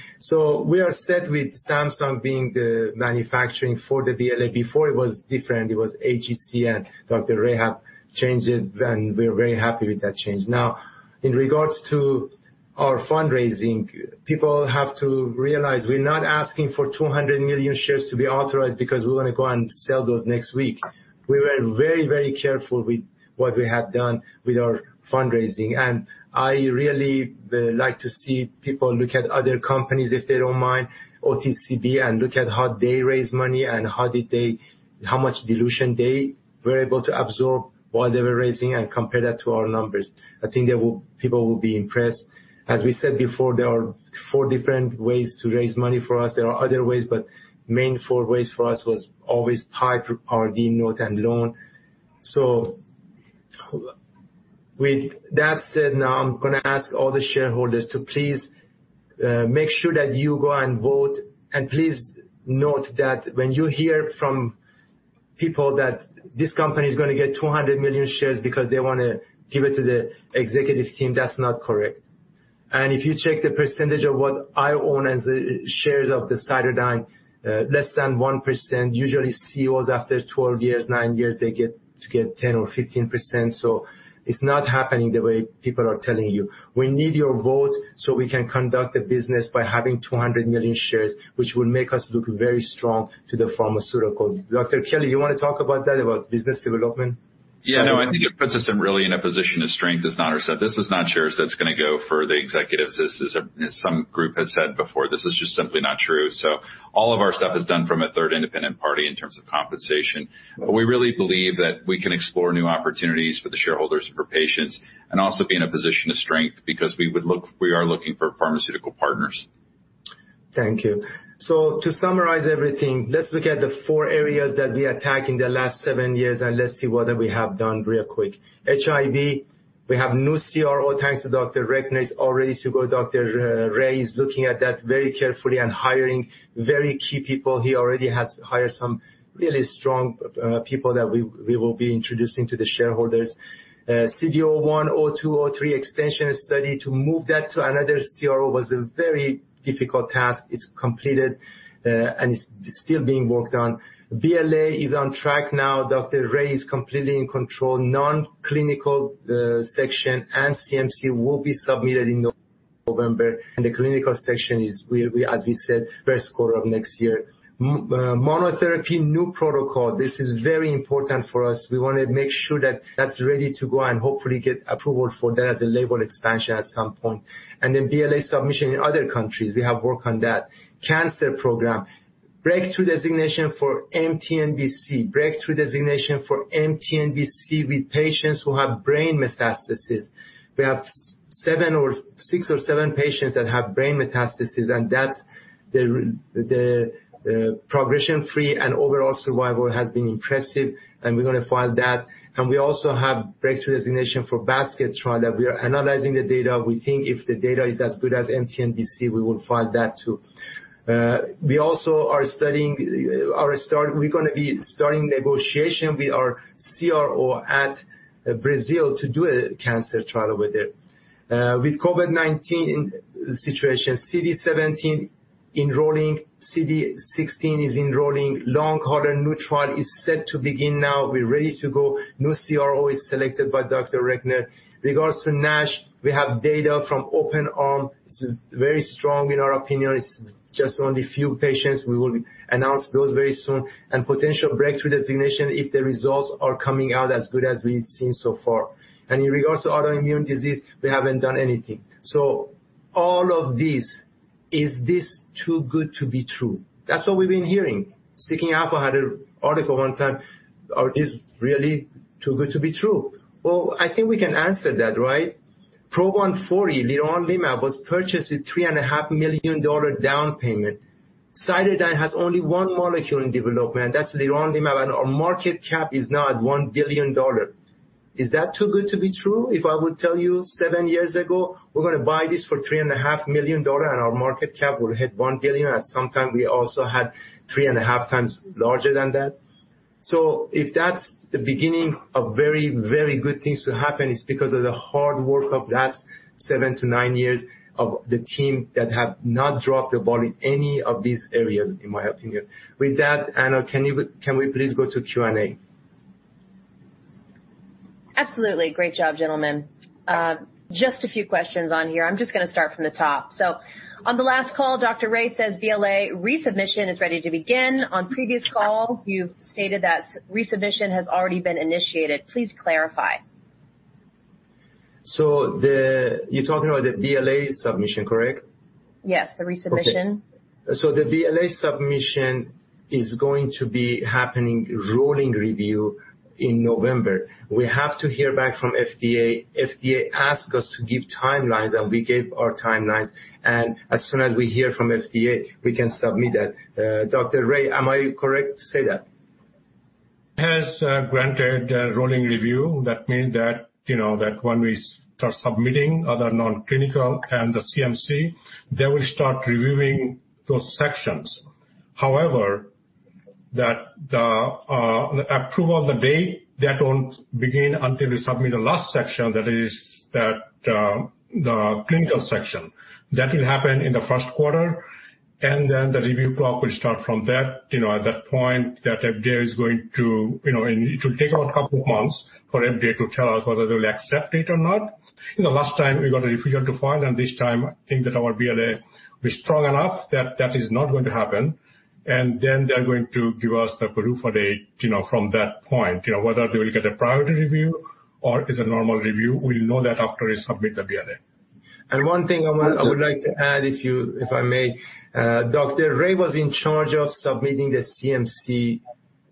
We are set with Samsung being the manufacturing for the BLA. Before it was different. It was HEC, and Dr. Ray have changed it, and we're very happy with that change. Now, in regards to our fundraising, people have to realize we're not asking for 200 million shares to be authorized because we're gonna go and sell those next week. We were very, very careful with what we have done with our fundraising, and I really would like to see people look at other companies, if they don't mind, OTCQB, and look at how they raise money and how much dilution they were able to absorb while they were raising, and compare that to our numbers. I think they will be impressed. People will be impressed. As we said before, there are four different ways to raise money for us. There are other ways, but main four ways for us was always PIPE, Reg D, note, and loan. With that said, now I'm gonna ask all the shareholders to please make sure that you go and vote. Please note that when you hear from people that this company is gonna get 200 million shares because they wanna give it to the executive team, that's not correct. If you check the percentage of what I own as shares of CytoDyn, less than 1%. Usually CEOs, after 12 years, nine years, they get to get 10% or 15%. It's not happening the way people are telling you. We need your vote, so we can conduct a business by having 200 million shares, which will make us look very strong to the pharmaceuticals. Dr. Kelly, you wanna talk about that, about business development? Yeah. No, I think it puts us in, really in a position of strength. As Nader said, this is not shares that's gonna go for the executives. This is a, as some group has said before, this is just simply not true. All of our stuff is done from a third independent party in terms of compensation. We really believe that we can explore new opportunities for the shareholders and for patients, and also be in a position of strength because we are looking for pharmaceutical partners. Thank you. To summarize everything, let's look at the four areas that we attacked in the last seven years, and let's see what we have done real quick. HIV, we have new CRO. Thanks to Dr. Recknor, it is all ready to go. Dr. Ray is looking at that very carefully and hiring very key people. He already has hired some really strong people that we will be introducing to the shareholders. CD001, CD02, CD03 extension study to move that to another CRO was a very difficult task. It's completed, and it's still being worked on. BLA is on track now. Dr. Ray is completely in control. Non-clinical section and CMC will be submitted in November, and the clinical section is, as we said, first quarter of next year. Monotherapy, new protocol. This is very important for us. We wanna make sure that that's ready to go and hopefully get approval for that as a label expansion at some point. BLA submission in other countries, we have work on that. Cancer program, breakthrough designation for mTNBC, breakthrough designation for mTNBC with patients who have brain metastasis. We have seven or six or seven patients that have brain metastasis, and that's the progression-free and overall survival has been impressive, and we're gonna file that. We also have breakthrough designation for basket trial that we are analyzing the data. We think if the data is as good as mTNBC, we will file that too. We're gonna be starting negotiation with our CRO at Brazil to do a cancer trial with it. With COVID-19 situation, CD17 enrolling, CD16 is enrolling. Long Hauler new trial is set to begin now. We're ready to go. New CRO is selected by Dr. Recknor. Regards to NASH, we have data from open arm. It's very strong in our opinion. It's just only a few patients. We will announce those very soon and potential breakthrough designation if the results are coming out as good as we've seen so far. in regards to autoimmune disease, we haven't done anything. all of this, is this too good to be true? That's what we've been hearing. Seeking Alpha had an article one time, is really too good to be true. Well, I think we can answer that, right? PRO 140, leronlimab, was purchased at $3.5 million down payment. CytoDyn has only one molecule in development, that's leronlimab, and our market cap is now at $1 billion. Is that too good to be true? If I would tell you seven years ago, we're gonna buy this for $3.5 million and our market cap will hit $1 billion. At some time, we also had 3.5x larger than that. If that's the beginning of very, very good things to happen, it's because of the hard work of last seven to nine years of the team that have not dropped the ball in any of these areas, in my opinion. With that, Ana, can we please go to Q&A? Absolutely. Great job, gentlemen. Just a few questions on here. I'm just gonna start from the top. On the last call, Dr. Ray says BLA resubmission is ready to begin. On previous calls, you've stated that resubmission has already been initiated. Please clarify. You're talking about the BLA submission, correct? Yes. The resubmission. Okay. The BLA submission is going to be a rolling review in November. We have to hear back from FDA. FDA asked us to give timelines, and we gave our timelines. As soon as we hear from FDA, we can submit that. Dr. Ray, am I correct to say that? FDA has granted a rolling review, that means that, you know, that when we start submitting other non-clinical and the CMC, they will start reviewing those sections. However, that the approval date won't begin until we submit the last section, that is the clinical section. That will happen in the first quarter, and then the review clock will start from that. You know, at that point the FDA is going to, you know, and it will take about a couple of months for FDA to tell us whether they'll accept it or not. You know, last time we got a refusal to file, and this time I think that our BLA is strong enough that that is not going to happen. Then they're going to give us the approval date, you know, from that point. You know, whether they will get a priority review or it's a normal review, we'll know that after we submit the BLA. One thing I would like to add if I may. Dr. Ray was in charge of submitting the CMC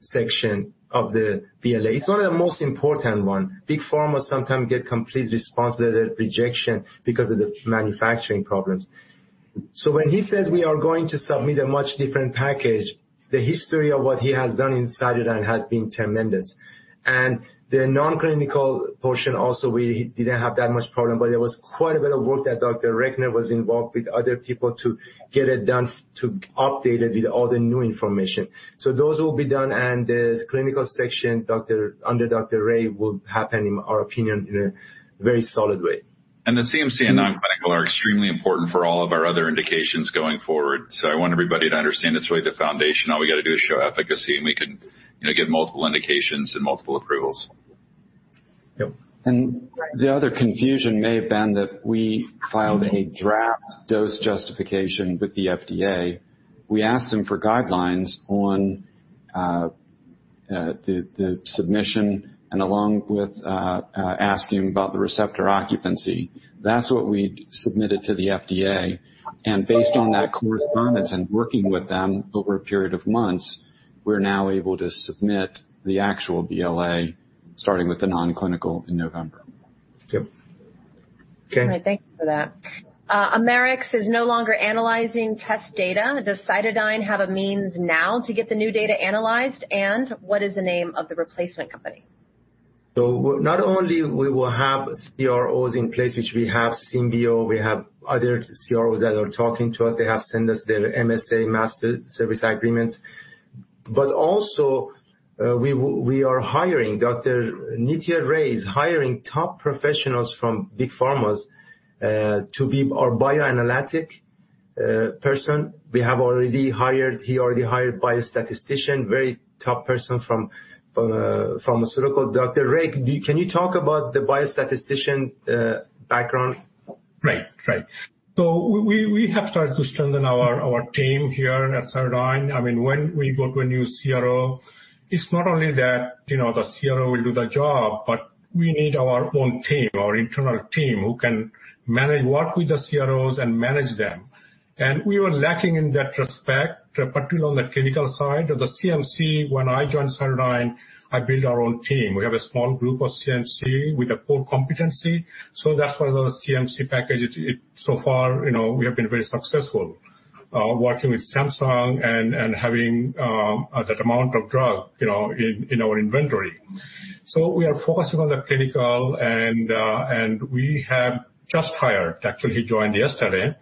section of the BLA. It's one of the most important one. Big pharma sometimes get complete response letter, rejection because of the manufacturing problems. When he says we are going to submit a much different package, the history of what he has done in CytoDyn has been tremendous. The non-clinical portion also we didn't have that much problem, but there was quite a bit of work that Dr. Recknor was involved with other people to get it done, to update it with all the new information. Those will be done, and the clinical section, doctor, under Dr. Ray will happen, in our opinion, in a very solid way. The CMC and non-clinical are extremely important for all of our other indications going forward. I want everybody to understand it's really the foundation. All we gotta do is show efficacy, and we can, you know, get multiple indications and multiple approvals. Yep. The other confusion may have been that we filed a draft dose justification with the FDA. We asked them for guidelines on the submission and along with asking about the receptor occupancy. That's what we submitted to the FDA. Based on that correspondence and working with them over a period of months, we're now able to submit the actual BLA, starting with the non-clinical in November. Yep. Okay. All right. Thank you for that. Amarex is no longer analyzing test data. Does CytoDyn have a means now to get the new data analyzed, and what is the name of the replacement company? Not only we will have CROs in place, which we have Symbio, we have other CROs that are talking to us, they have sent us their MSA, master service agreements. Also, we are hiring. Dr. Nitya Ray is hiring top professionals from big pharmas to be our bioanalytic person. We have already hired, he already hired biostatistician, very top person from pharmaceutical. Dr. Ray, can you talk about the biostatistician background? Right. We have started to strengthen our team here at CytoDyn. I mean, when we go to a new CRO, it's not only that, you know, the CRO will do the job, but we need our own team, our internal team, who can manage, work with the CROs and manage them. We were lacking in that respect, particularly on the clinical side. The CMC, when I joined CytoDyn, I built our own team. We have a small group of CMC with a full competency. That's why the CMC package so far, you know, we have been very successful working with Samsung and having that amount of drug, you know, in our inventory. We are focusing on the clinical and we have just hired, actually he joined yesterday, a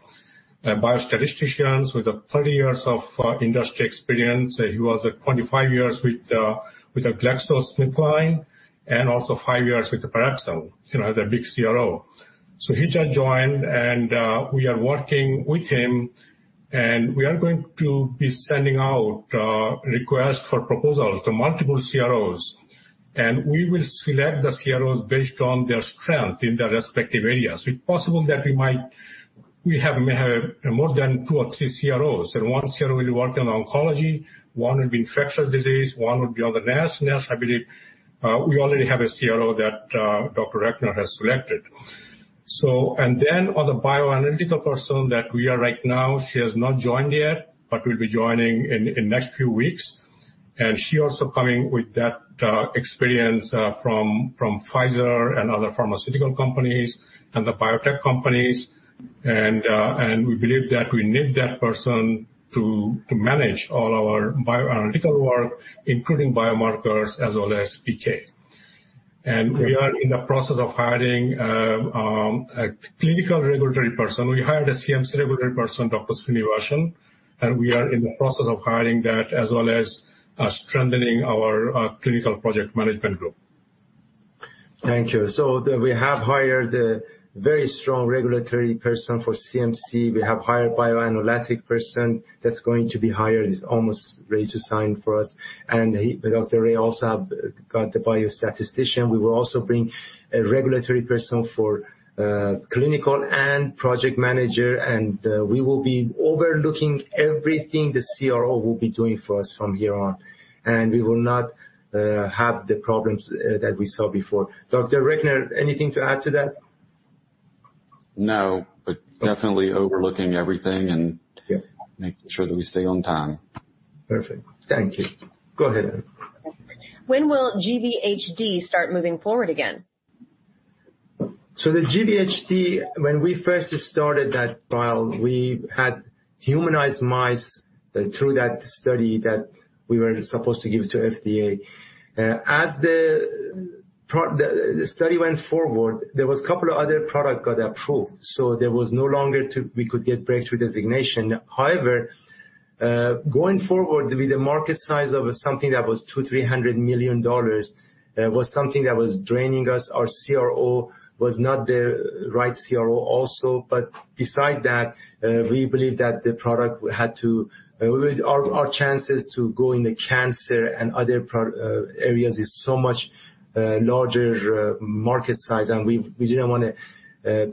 biostatistician with 30 years of industry experience. He was 25 years with GlaxoSmithKline and also five years with Parexel, you know, the big CRO. He just joined, and we are working with him, and we are going to be sending out requests for proposals to multiple CROs. We will select the CROs based on their strength in their respective areas. It's possible that we may have more than two or three CROs, and one CRO will work on oncology, one will be infectious disease, one will be on the NASH. NASH, I believe, we already have a CRO that Dr. Recknor has selected. On the bioanalytical person that we are right now, she has not joined yet, but will be joining in next few weeks. She also coming with that experience from Pfizer and other pharmaceutical companies and the biotech companies. We believe that we need that person to manage all our bioanalytical work, including biomarkers as well as PK. We are in the process of hiring a clinical regulatory person. We hired a CMC regulatory person, Dr. Srinivasan, and we are in the process of hiring that as well as strengthening our clinical project management group. Thank you. We have hired a very strong regulatory person for CMC. We have hired bioanalytic person that's going to be hired, he's almost ready to sign for us. Dr. Ray also have got the biostatistician. We will also bring a regulatory person for clinical and project manager, and we will be overlooking everything the CRO will be doing for us from here on, and we will not have the problems that we saw before. Dr. Recknor, anything to add to that? No, but definitely overlooking everything and making sure that we stay on time. Perfect. Thank you. Go ahead. When will GVHD start moving forward again? The GVHD, when we first started that trial, we had humanized mice through that study that we were supposed to give to FDA. As the study went forward, there was a couple of other products got approved, so we could no longer get breakthrough designation. However, going forward with the market size of something that was $200 million-$300 million was something that was draining us. Our CRO was not the right CRO also. But besides that, we believe our chances to go into cancer and other areas is so much larger market size, and we didn't wanna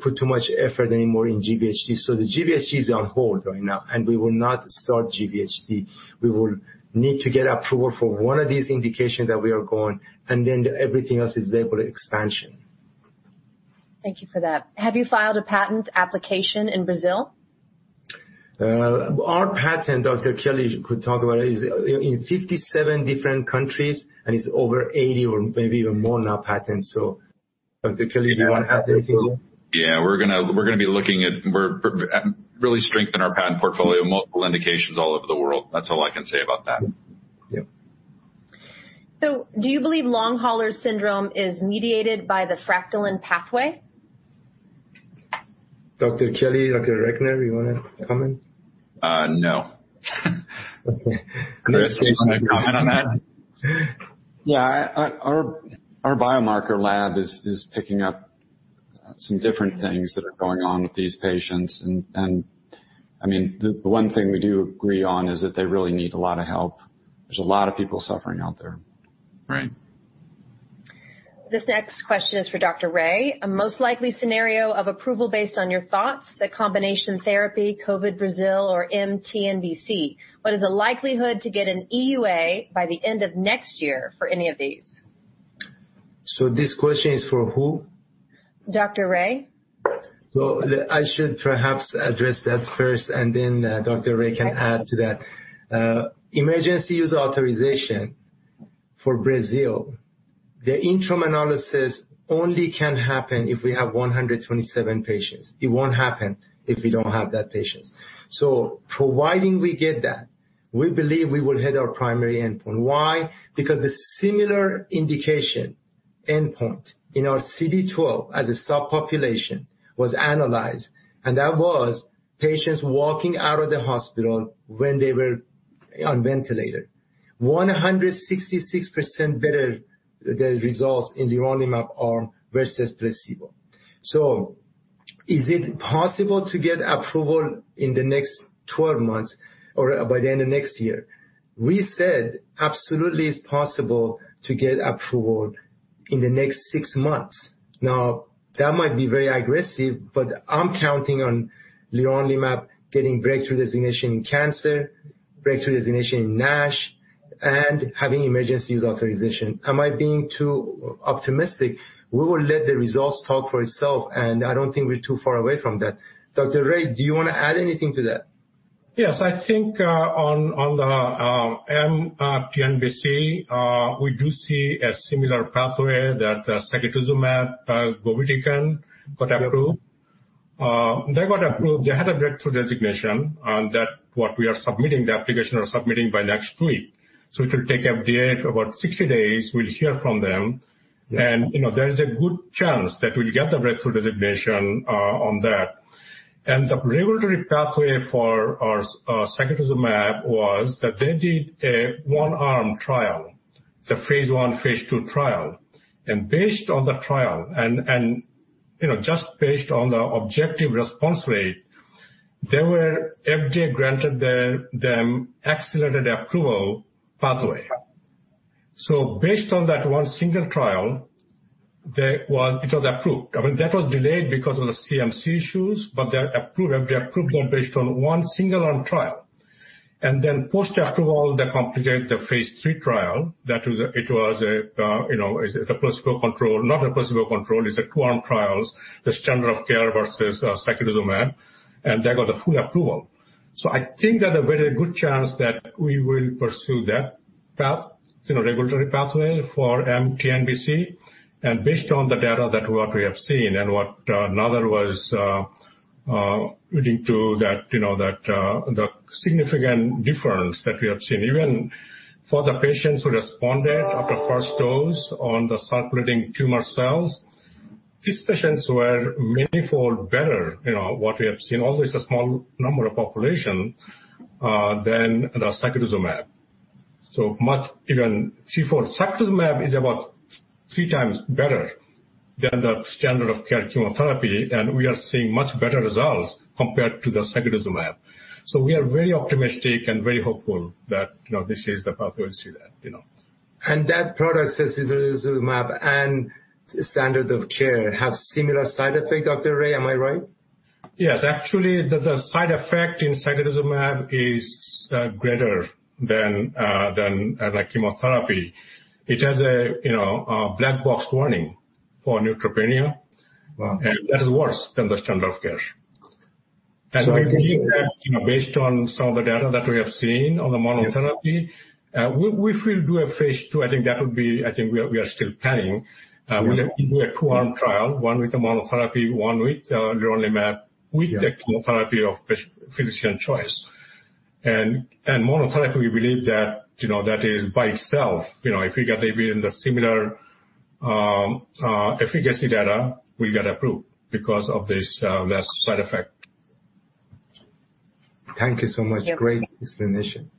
put too much effort anymore in GVHD. The GVHD is on hold right now, and we will not start GVHD. We will need to get approval for one of these indications that we are going, and then everything else is there for expansion. Thank you for that. Have you filed a patent application in Brazil? Our patent, Dr. Kelly could talk about it, is in 57 different countries, and it's over 80 or maybe even more now patent. Dr. Kelly, do you wanna add anything? Yeah, we're gonna be looking at really strengthen our patent portfolio, multiple indications all over the world. That's all I can say about that. Yeah. Do you believe long hauler syndrome is mediated by the Fractalkine pathway? Dr. Kelly, Dr. Recknor, you wanna comment? No. Okay. Chris, do you wanna comment on that? Yeah. Our biomarker lab is picking up some different things that are going on with these patients. I mean, the one thing we do agree on is that they really need a lot of help. There's a lot of people suffering out there. Right. This next question is for Dr. Ray. What's the most likely scenario of approval based on your thoughts, the combination therapy, COVID Brazil or MT-MBC. What is the likelihood to get an EUA by the end of next year for any of these? This question is for who? Dr. Ray. I should perhaps address that first, and then Dr. Ray can add to that. Emergency use authorization for Brazil, the interim analysis only can happen if we have 127 patients. It won't happen if we don't have those patients. Providing we get that, we believe we will hit our primary endpoint. Why? Because the similar indication endpoint in our CD12 as a subpopulation was analyzed, and that was patients walking out of the hospital when they were on ventilator. 166% better the results in the leronlimab arm versus placebo. Is it possible to get approval in the next 12 months or by the end of next year? We said, absolutely, it's possible to get approval in the next six months. Now, that might be very aggressive, but I'm counting on leronlimab getting breakthrough designation in cancer, breakthrough designation in NASH, and having emergency use authorization. Am I being too optimistic? We will let the results talk for itself, and I don't think we're too far away from that. Dr. Ray, do you wanna add anything to that? Yes. I think on the TNBC we do see a similar pathway that sacituzumab govitecan got approved. They got approved. They had a breakthrough designation on that what we are submitting, the application we're submitting by next week. It will take FDA about 60 days. We'll hear from them. Yeah. You know, there is a good chance that we'll get the breakthrough designation on that. The regulatory pathway for our sacituzumab was that they did a one-arm trial, the phase I, phase II trial. Based on the trial and you know, just based on the objective response rate, FDA granted them accelerated approval pathway. Based on that one single trial, it was approved. I mean, that was delayed because of the CMC issues, but they approved them based on one single arm trial. Then post-approval, they completed the phase III trial. It was a placebo-controlled, not a placebo-controlled, it's a two-arm trial, the standard of care versus sacituzumab, and they got a full approval. I think that a very good chance that we will pursue that path, you know, regulatory pathway for mTNBC. Based on the data that what we have seen and what Nader was alluding to that, you know, that the significant difference that we have seen. Even for the patients who responded after first dose on the circulating tumor cells, these patients were many fold better, you know, what we have seen. Always a small number of population than the sacituzumab. Much even C4 Sacituzumab is about three times better than the standard of care chemotherapy, and we are seeing much better results compared to the sacituzumab. We are very optimistic and very hopeful that, you know, this is the pathway to that, you know. That product, sacituzumab, and standard of care have similar side effects, Dr. Ray, am I right? Yes. Actually, the side effect in sacituzumab is greater than like chemotherapy. It has, you know, a black box warning for neutropenia. Wow. That is worse than the standard of care. I think. We believe that, you know, based on some of the data that we have seen on the monotherapy, we will do a phase II. I think that would be. I think we are still planning. Yeah. We have to do a two-arm trial, one with the monotherapy, one with leronlimab. Yeah With the chemotherapy of physician choice. Monotherapy, we believe that, you know, that is by itself, you know, if we get even the similar efficacy data, we'll get approved because of this less side effect. Thank you so much. Yep. Great explanation.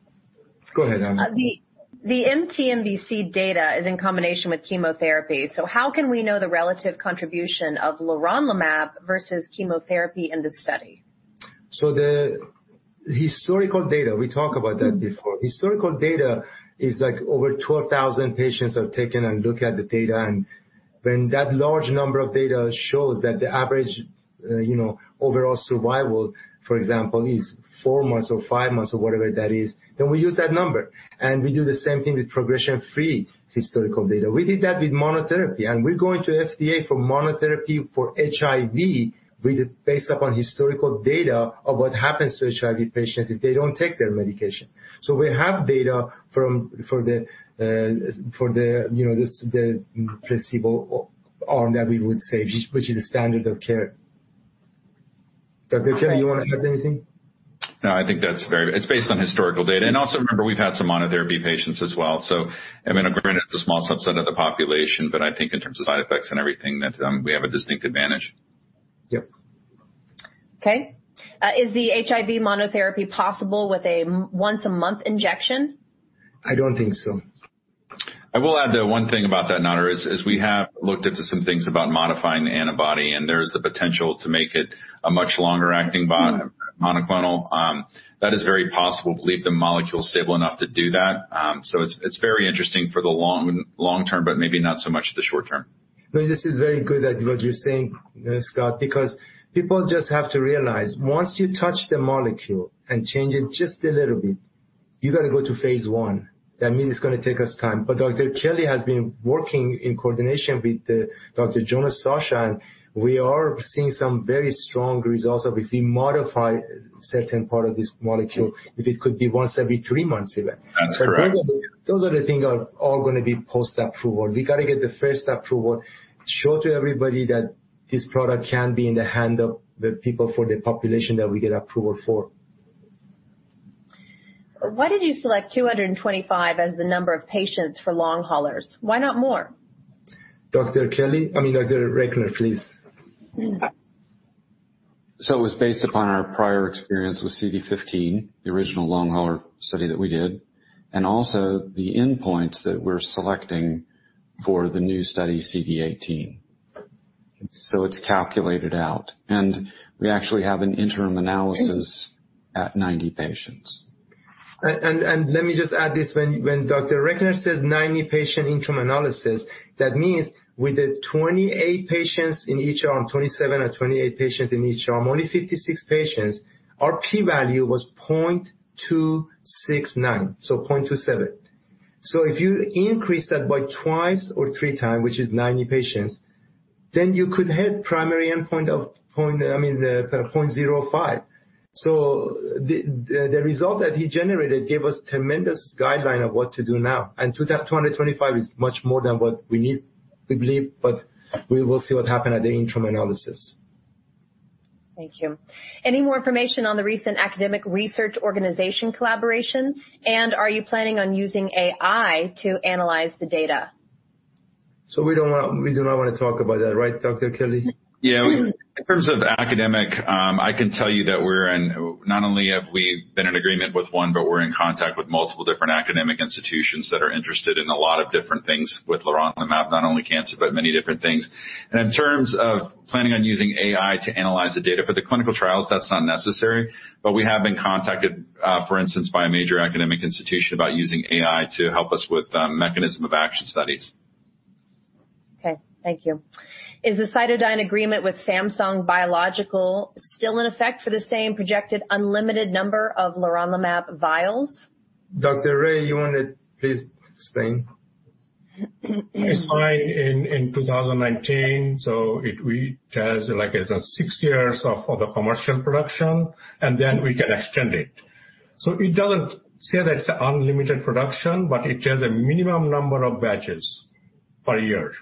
Go ahead, Ana. The MT-MBC data is in combination with chemotherapy, so how can we know the relative contribution of leronlimab versus chemotherapy in the study? The historical data, we talked about that before. Historical data is like over 12,000 patients have taken and looked at the data. When that large number of data shows that the average, you know, overall survival, for example, is four months or five months or whatever that is, then we use that number. We do the same thing with progression-free historical data. We did that with monotherapy. We're going to FDA for monotherapy for HIV based upon historical data of what happens to HIV patients if they don't take their medication. We have data from the placebo arm that we would say, which is the standard of care. Dr. Kelly, you wanna add anything? No, I think that's very good. It's based on historical data. Also remember, we've had some monotherapy patients as well. I mean, granted, it's a small subset of the population, but I think in terms of side effects and everything, that we have a distinct advantage. Yep. Okay. Is the HIV monotherapy possible with a once a month injection? I don't think so. I will add, the one thing about that, Ana, is we have looked into some things about modifying the antibody, and there's the potential to make it a much longer acting monoclonal. That is very possible. We believe the molecule's stable enough to do that. So it's very interesting for the long, long term, but maybe not so much the short term. No, this is very good at what you're saying, Scott, because people just have to realize, once you touch the molecule and change it just a little bit, you gotta go to phase I. That means it's gonna take us time. Dr. Kelly has been working in coordination with Dr. Jonah Sacha, and we are seeing some very strong results of if we modify certain part of this molecule, if it could be once every three months even. That's correct. Those are the things are all gonna be post-approval. We gotta get the first approval, show to everybody that this product can be in the hand of the people for the population that we get approval for. Why did you select 225 as the number of patients for long haulers? Why not more? Dr. Kelly, I mean, Dr. Recknor, please. It was based upon our prior experience with CD15, the original long hauler study that we did, and also the endpoints that we're selecting for the new study, CD18. It's calculated out, and we actually have an interim analysis at 90 patients. Let me just add this. When Dr. Recknor says 90-patient interim analysis, that means with the 28 patients in each arm, 27 or 28 patients in each arm, only 56 patients, our P value was 0.269. So 0.27. So if you increase that by twice or 3x, which is 90 patients, then you could hit primary endpoint of 0.05. I mean, the result that he generated gave us tremendous guideline of what to do now. 225 is much more than what we need, we believe, but we will see what happen at the interim analysis. Thank you. Any more information on the recent academic research organization collaboration? Are you planning on using AI to analyze the data? We do not wanna talk about that, right, Dr. Kelly? Yeah. In terms of academic, I can tell you that not only have we been in agreement with one, but we're in contact with multiple different academic institutions that are interested in a lot of different things with leronlimab, not only cancer, but many different things. In terms of planning on using AI to analyze the data for the clinical trials, that's not necessary. We have been contacted, for instance, by a major academic institution about using AI to help us with mechanism of action studies. Okay. Thank you. Is the CytoDyn agreement with Samsung Biologics still in effect for the same projected unlimited number of leronlimab vials? Dr. Ray, you wanna please explain? It signed in 2019, so it has like six years of the commercial production, and then we can extend it. It doesn't say that it's unlimited production, but it has a minimum number of batches per year.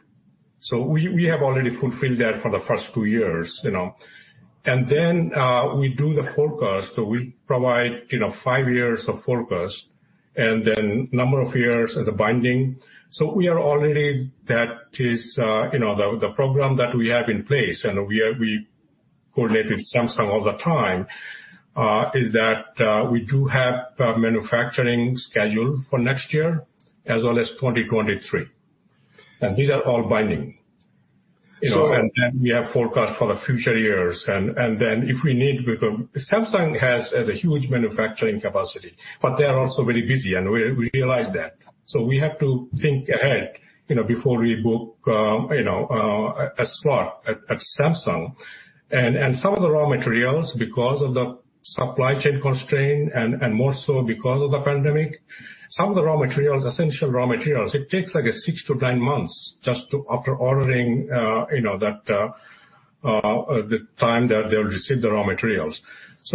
We have already fulfilled that for the first two years, you know. Then we do the forecast. We provide, you know, five years of forecast and then number of years of the binding. We are already, you know, the program that we have in place, you know. We coordinated Samsung all the time. We do have manufacturing schedule for next year as well as 2023. These are all binding, you know. Then we have forecast for the future years. Then if we need. Because Samsung has a huge manufacturing capacity, but they are also very busy, and we realize that. We have to think ahead, you know, before we book a slot at Samsung. Some of the raw materials, because of the supply chain constraint and more so because of the pandemic, some of the raw materials, essential raw materials, it takes like six to 10 months just after ordering, you know, the time that they'll receive the raw materials.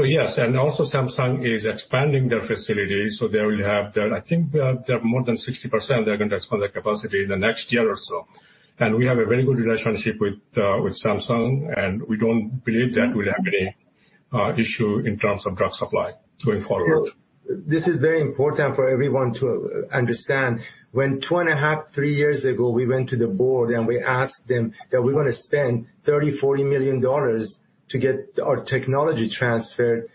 Yes, and also Samsung is expanding their facilities, so they will have the. I think they have more than 60% they're gonna expand their capacity in the next year or so. We have a very good relationship with Samsung, and we don't believe that we'll have any issue in terms of drug supply going forward. This is very important for everyone to understand. When 2.5, three years ago, we went to the board and we asked them that we're gonna spend $30 million-$40 million to get our technology transferred,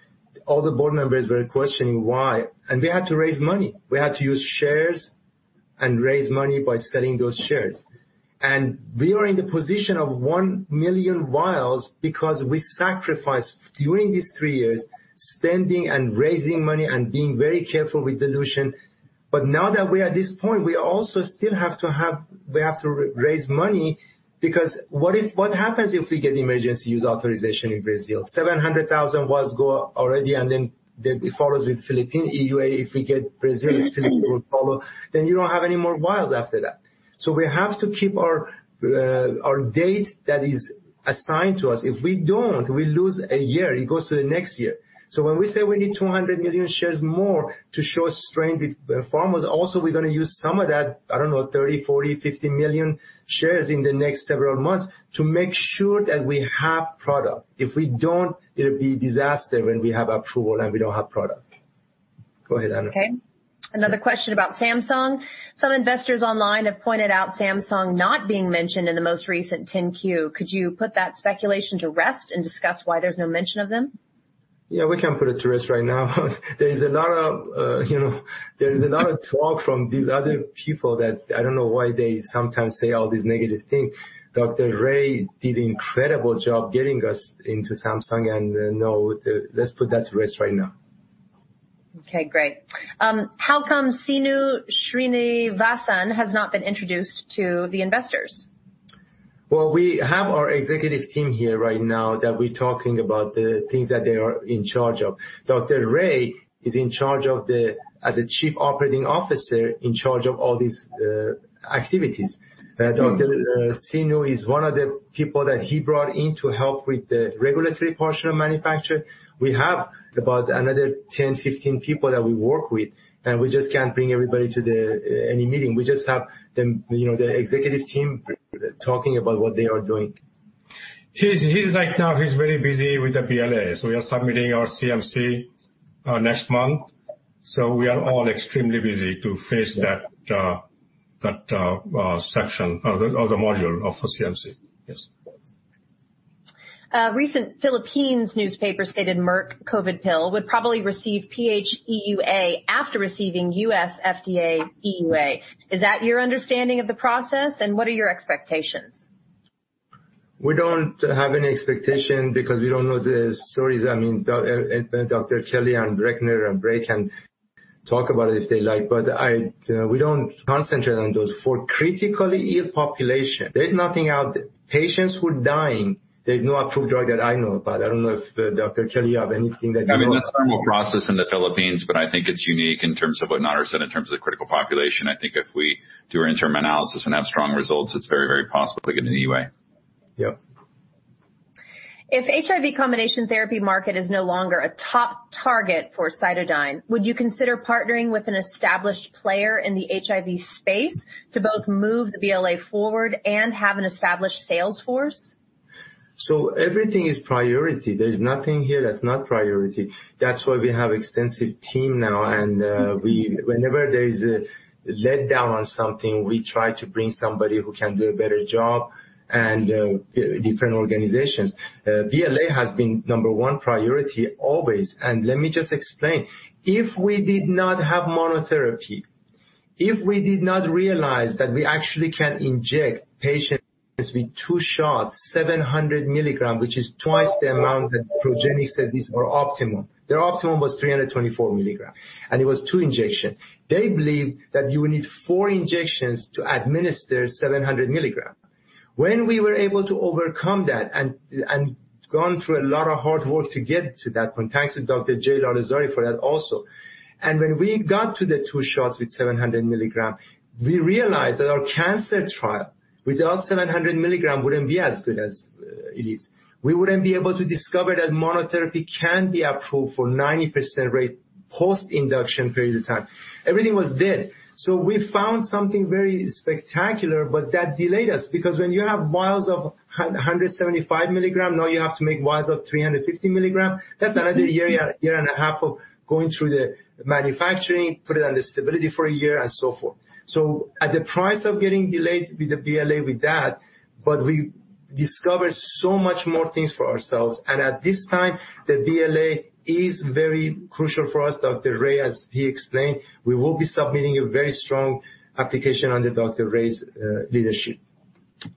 all the board members were questioning why. We had to raise money. We had to use shares and raise money by selling those shares. We are in the position of 1 million vials because we sacrificed during these three years, spending and raising money and being very careful with dilution. Now that we're at this point, we also still have to raise money because what happens if we get emergency use authorization in Brazil? 700,000 was gone already, and then it follows with Philippine EUA. If we get Brazil, Philippines will follow. You don't have any more vials after that. We have to keep our date that is assigned to us. If we don't, we lose a year, it goes to the next year. When we say we need 200 million shares more to show strength with pharma, also we're gonna use some of that, I don't know, 30, 40, 50 million shares in the next several months to make sure that we have product. If we don't, it'll be disaster when we have approval and we don't have product. Go ahead, Ana. Okay. Another question about Samsung. Some investors online have pointed out Samsung not being mentioned in the most recent 10-Q. Could you put that speculation to rest and discuss why there's no mention of them? Yeah, we can put it to rest right now. There is a lot of talk from these other people that I don't know why they sometimes say all these negative things. Dr. Ray did an incredible job getting us into Samsung, and let's put that to rest right now. Okay, great. How come Seenu Srinivasan has not been introduced to the investors? Well, we have our executive team here right now that we're talking about the things that they are in charge of. Dr. Ray is in charge of the as the chief operating officer, in charge of all these activities. Dr. Seenu is one of the people that he brought in to help with the regulatory portion of manufacture. We have about another 10, 15 people that we work with, and we just can't bring everybody to the any meeting. We just have the, you know, the executive team talking about what they are doing. He's right now very busy with the BLA. We are submitting our CMC next month, so we are all extremely busy to face that section of the module of the CMC. Yes. Recent Philippine newspaper stated Merck COVID pill would probably receive PH EUA after receiving U.S. FDA EUA. Is that your understanding of the process, and what are your expectations? We don't have any expectation because we don't know the stories. I mean, Dr. Kelly and Recknor and Ray can talk about it if they like, but you know, we don't concentrate on those. For critically ill population, there is nothing out. Patients who are dying, there's no approved drug that I know about. I don't know if, Dr. Kelly, you have anything that you know about. I mean, that's normal process in the Philippines, but I think it's unique in terms of what Nader said, in terms of critical population. I think if we do our interim analysis and have strong results, it's very, very possible to get an EUA. Yep. If HIV combination therapy market is no longer a top target for CytoDyn, would you consider partnering with an established player in the HIV space to both move the BLA forward and have an established sales force? Everything is priority. There is nothing here that's not priority. That's why we have extensive team now, and we whenever there is a letdown on something, we try to bring somebody who can do a better job and different organizations. BLA has been number one priority always. Let me just explain. If we did not have monotherapy, if we did not realize that we actually can inject patients with two shots, 700 milligrams, which is twice the amount that Progenics said these were optimum. Their optimum was 324 milligrams, and it was two injection. They believe that you need four injections to administer 700 milligrams. When we were able to overcome that and gone through a lot of hard work to get to that point, thanks to Dr. Jacob Lalezari for that also. When we got to the two shots with 700 milligrams, we realized that our cancer trial without 700 milligrams wouldn't be as good as it is. We wouldn't be able to discover that monotherapy can be approved for 90% rate post induction period of time. Everything was dead. We found something very spectacular, but that delayed us because when you have vials of 175 milligrams, now you have to make vials of 350 milligrams. That's another year and a half of going through the manufacturing, put it under stability for a year and so forth. At the price of getting delayed with the BLA with that, but we discovered so much more things for ourselves. At this time, the BLA is very crucial for us. Dr. Ray, as he explained, we will be submitting a very strong application under Dr. Ray's leadership.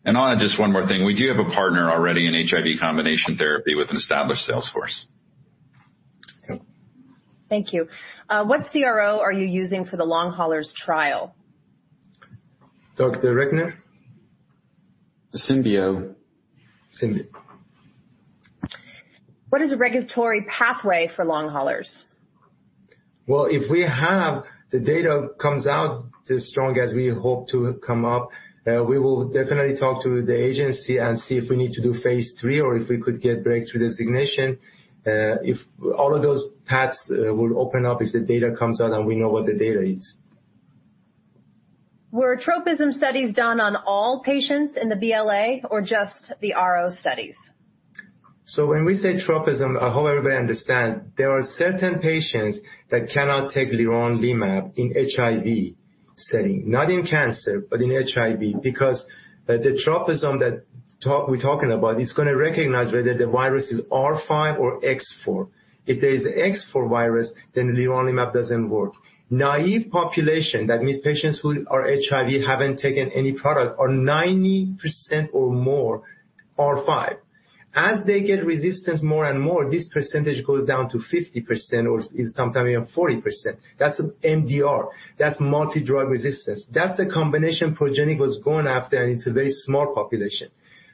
I'll add just one more thing. We do have a partner already in HIV combination therapy with an established sales force. Okay. Thank you. What CRO are you using for the long haulers trial? Dr. Recknor? Syneos. Syneos. What is the regulatory pathway for long haulers? Well, if we have the data comes out as strong as we hope to come up, we will definitely talk to the agency and see if we need to do phase III or if we could get breakthrough designation. If all of those paths will open up if the data comes out and we know what the data is. Were tropism studies done on all patients in the BLA or just the RO studies? When we say tropism, I hope everybody understand, there are certain patients that cannot take leronlimab in HIV setting, not in cancer, but in HIV. Because the tropism we're talking about, it's gonna recognize whether the virus is R5 or X4. If there is X4 virus, then leronlimab doesn't work. Naive population, that means patients who are HIV, haven't taken any product, are 90% or more R5. As they get resistance more and more, this percentage goes down to 50% or sometimes even 40%. That's MDR, that's multi-drug resistance. That's the combination Progenics was going after, and it's a very small population.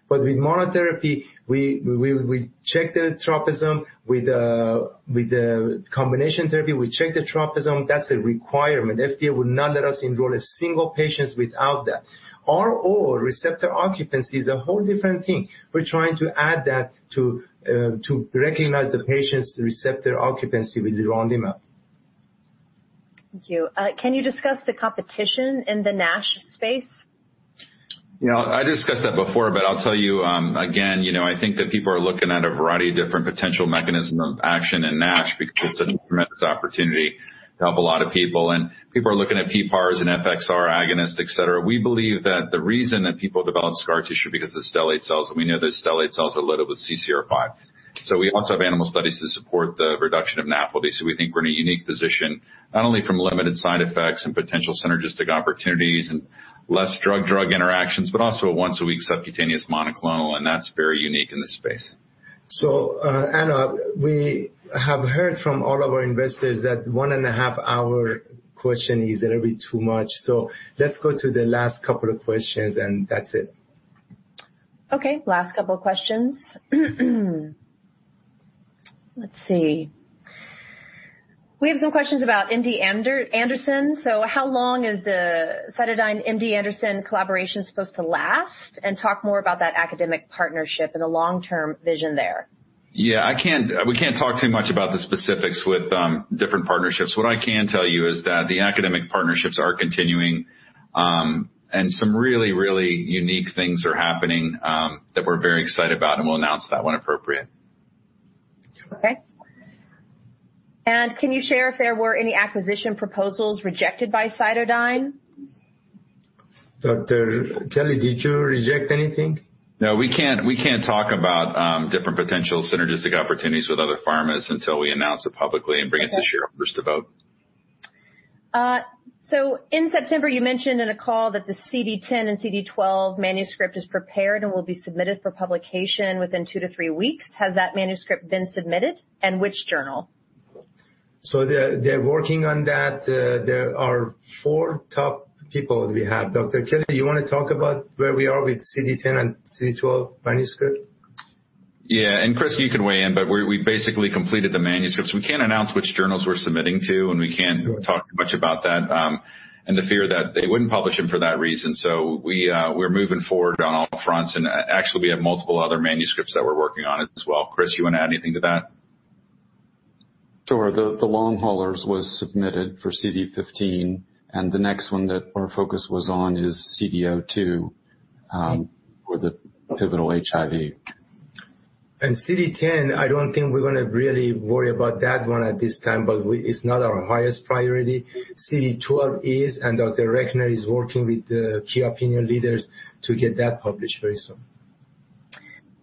With monotherapy, we check the tropism. With the combination therapy, we check the tropism. That's a requirement. FDA will not let us enroll a single patient without that. RO, receptor occupancy, is a whole different thing. We're trying to add that to recognize the patient's receptor occupancy with leronlimab. Thank you. Can you discuss the competition in the NASH space? You know, I discussed that before, but I'll tell you, again, you know, I think that people are looking at a variety of different potential mechanism of action in NASH because it's a tremendous opportunity to help a lot of people. People are looking at PPARs and FXR agonist, et cetera. We believe that the reason that people develop scar tissue because of the stellate cells, and we know that stellate cells are littered with CCR5. We also have animal studies to support the reduction of NAFLD. We think we're in a unique position, not only from limited side effects and potential synergistic opportunities and less drug-drug interactions, but also a once a week subcutaneous monoclonal, and that's very unique in this space. Ana, we have heard from all of our investors that 1.5 hour Q&A is a little bit too much. Let's go to the last couple of questions and that's it. Okay, last couple questions. Let's see. We have some questions about MD Anderson. So how long is the CytoDyn MD Anderson collaboration supposed to last? Talk more about that academic partnership and the long-term vision there. We can't talk too much about the specifics with different partnerships. What I can tell you is that the academic partnerships are continuing, and some really, really unique things are happening that we're very excited about, and we'll announce that when appropriate. Okay. Can you share if there were any acquisition proposals rejected by CytoDyn? Dr. Kelly, did you reject anything? No, we can't talk about different potential synergistic opportunities with other pharmas until we announce it publicly and bring it to shareholders to vote. In September, you mentioned in a call that the CD10 and CD12 manuscript is prepared and will be submitted for publication within two to three weeks. Has that manuscript been submitted, and which journal? They're working on that. There are four top people we have. Dr. Kelly, you wanna talk about where we are with CD 10 and CD 12 manuscript? Yeah. Chris, you can weigh in, but we basically completed the manuscripts. We can't announce which journals we're submitting to, and we can't talk too much about that, and the fear that they wouldn't publish them for that reason. We're moving forward on all fronts, and actually, we have multiple other manuscripts that we're working on as well. Chris, you wanna add anything to that? Sure. The long haulers was submitted for CD15, and the next one that our focus was on is CD02 for the pivotal HIV. CD10, I don't think we're gonna really worry about that one at this time, but it's not our highest priority. CD12 is, and Dr. Recknor is working with the key opinion leaders to get that published very soon.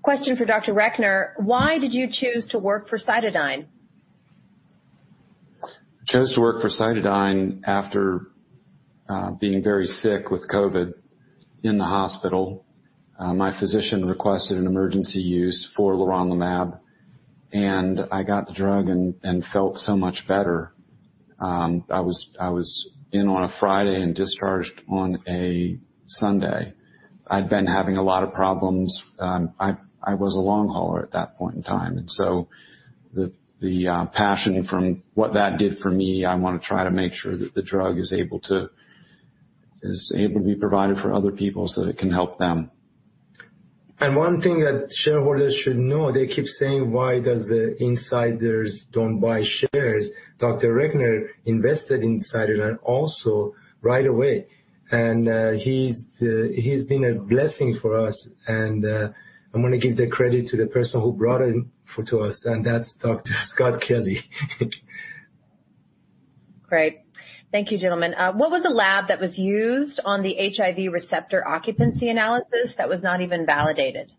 Question for Dr. Recknor: Why did you choose to work for CytoDyn? I chose to work for CytoDyn after being very sick with COVID in the hospital. My physician requested an emergency use for leronlimab, and I got the drug and felt so much better. I was in on a Friday and discharged on a Sunday. I'd been having a lot of problems. I was a long hauler at that point in time, and so the passion from what that did for me, I wanna try to make sure that the drug is able to be provided for other people so that it can help them. One thing that shareholders should know, they keep saying, "Why does the insiders don't buy shares?" Dr. Recknor invested in CytoDyn also right away. He's been a blessing for us. I'm gonna give the credit to the person who brought him to us, and that's Dr. Scott Kelly. Great. Thank you, gentlemen. What was the lab that was used on the HIV receptor occupancy analysis that was not even validated?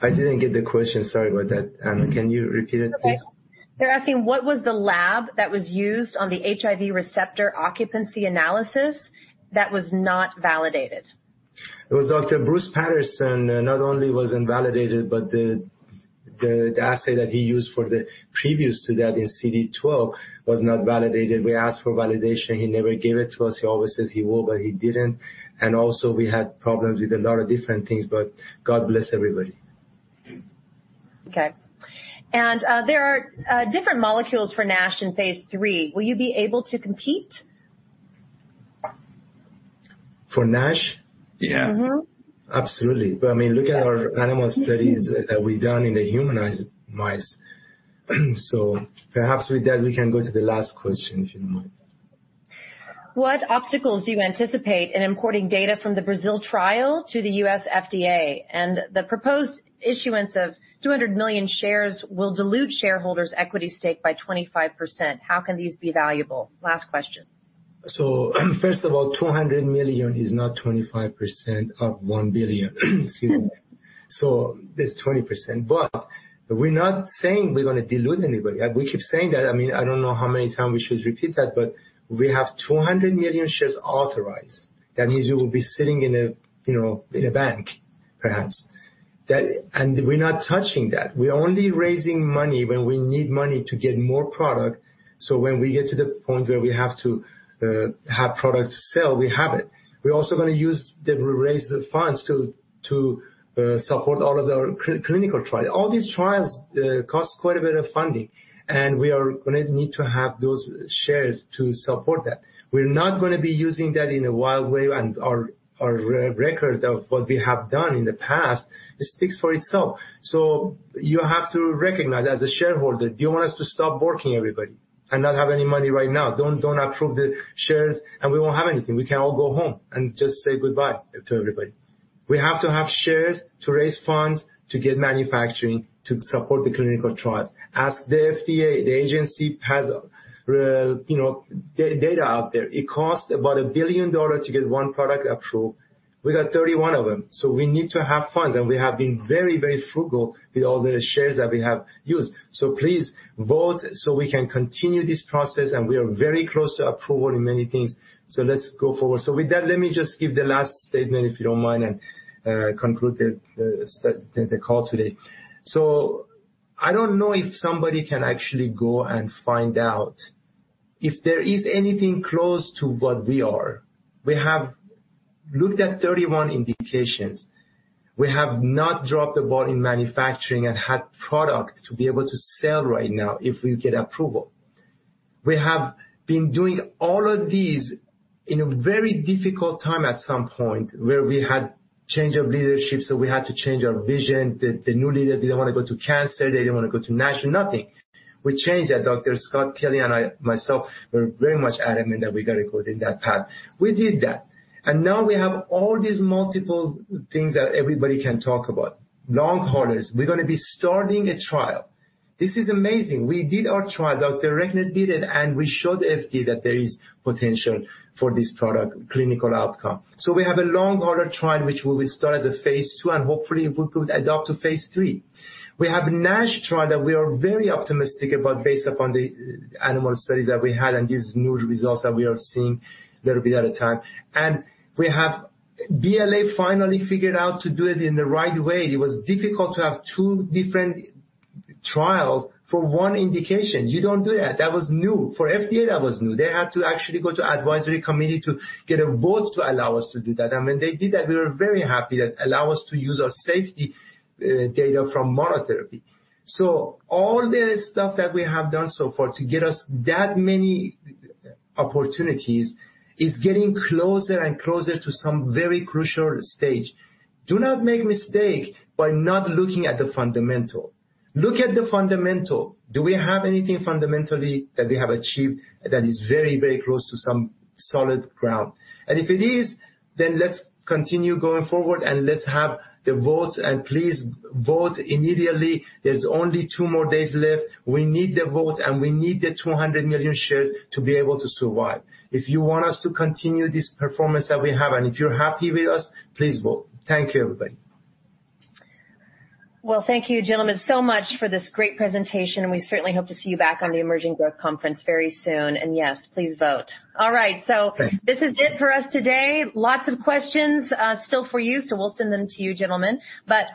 I didn't get the question. Sorry about that, Ana. Can you repeat it, please? They're asking what was the lab that was used on the HIV receptor occupancy analysis that was not validated. It was Dr. Bruce Patterson. Not only was it validated, but the assay that he used for the previous to that in CD12 was not validated. We asked for validation. He never gave it to us. He always says he will, but he didn't. Also, we had problems with a lot of different things, but God bless everybody. Okay. There are different molecules for NASH in phase III. Will you be able to compete? For NASH? Mm-hmm. Absolutely. I mean, look at our animal studies that we've done in the humanized mice. Perhaps with that, we can go to the last question, if you don't mind. What obstacles do you anticipate in importing data from the Brazil trial to the U.S. FDA? The proposed issuance of 200 million shares will dilute shareholders' equity stake by 25%. How can these be valuable? Last question. 200 million is not 25% of 1 billion. Excuse me. It's 20%. We're not saying we're gonna dilute anybody. We keep saying that. I mean, I don't know how many times we should repeat that, but we have 200 million shares authorized. That means we will be sitting in a, you know, in a bank, perhaps. We're not touching that. We're only raising money when we need money to get more product. When we get to the point where we have to have product to sell, we have it. We're also gonna use that we raise the funds to support all of our clinical trial. All these trials cost quite a bit of funding, and we are gonna need to have those shares to support that. We're not gonna be using that in a wild way, and our re-record of what we have done in the past speaks for itself. You have to recognize as a shareholder, do you want us to stop working, everybody, and not have any money right now? Don't approve the shares, and we won't have anything. We can all go home and just say goodbye to everybody. We have to have shares to raise funds to get manufacturing to support the clinical trials. Ask the FDA, the agency has, you know, data out there. It costs about $1 billion to get one product approved. We got 31 of them. We need to have funds, and we have been very, very frugal with all the shares that we have used. Please vote so we can continue this process, and we are very close to approval in many things. Let's go forward. With that, let me just give the last statement, if you don't mind, and conclude the call today. I don't know if somebody can actually go and find out if there is anything close to what we are. We have looked at 31 indications. We have not dropped the ball in manufacturing and had product to be able to sell right now if we get approval. We have been doing all of these in a very difficult time at some point, where we had change of leadership, so we had to change our vision. The new leader didn't wanna go to cancer, they didn't wanna go to NASH, nothing. We changed that. Dr. Scott Kelly and I, myself, were very much adamant that we gotta go in that path. We did that, and now we have all these multiple things that everybody can talk about. Long haulers, we're gonna be starting a trial. This is amazing. We did our trial, Dr. Recknor did it, and we showed FDA that there is potential for this product clinical outcome. So we have a long hauler trial, which we will start as a phase II, and hopefully it will adopt to phase III. We have NASH trial that we are very optimistic about based upon the animal studies that we had and these new results that we are seeing a little bit at a time. We have BLA finally figured out to do it in the right way. It was difficult to have two different trials for one indication. You don't do that. That was new. For FDA, that was new. They had to actually go to advisory committee to get a vote to allow us to do that. When they did that, we were very happy that allow us to use our safety, data from monotherapy. All the stuff that we have done so far to get us that many opportunities is getting closer and closer to some very crucial stage. Do not make mistake by not looking at the fundamental. Look at the fundamental. Do we have anything fundamentally that we have achieved that is very, very close to some solid ground? If it is, then let's continue going forward and let's have the votes, and please vote immediately. There's only two more days left. We need the votes, and we need the 200 million shares to be able to survive. If you want us to continue this performance that we have, and if you're happy with us, please vote. Thank you, everybody. Well, thank you, gentlemen, so much for this great presentation. We certainly hope to see you back on the Emerging Growth Conference very soon. Yes, please vote. All right, this is it for us today. Lots of questions still for you, so we'll send them to you, gentlemen.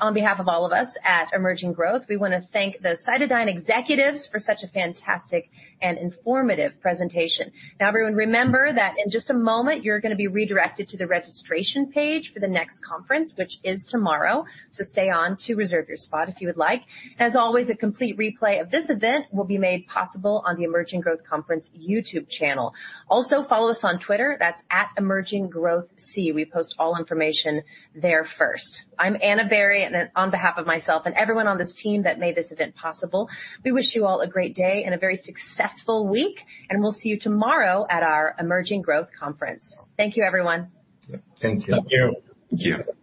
On behalf of all of us at Emerging Growth, we wanna thank the CytoDyn executives for such a fantastic and informative presentation. Now, everyone, remember that in just a moment, you're gonna be redirected to the registration page for the next conference, which is tomorrow. Stay on to reserve your spot if you would like. As always, a complete replay of this event will be made possible on the Emerging Growth Conference YouTube channel. Also, follow us on Twitter. That's @EmergingGrowthC. We post all information there first. I'm Ana Berry, and on behalf of myself and everyone on this team that made this event possible, we wish you all a great day and a very successful week. We'll see you tomorrow at our Emerging Growth Conference. Thank you, everyone. Thank you. Thank you. Thank you.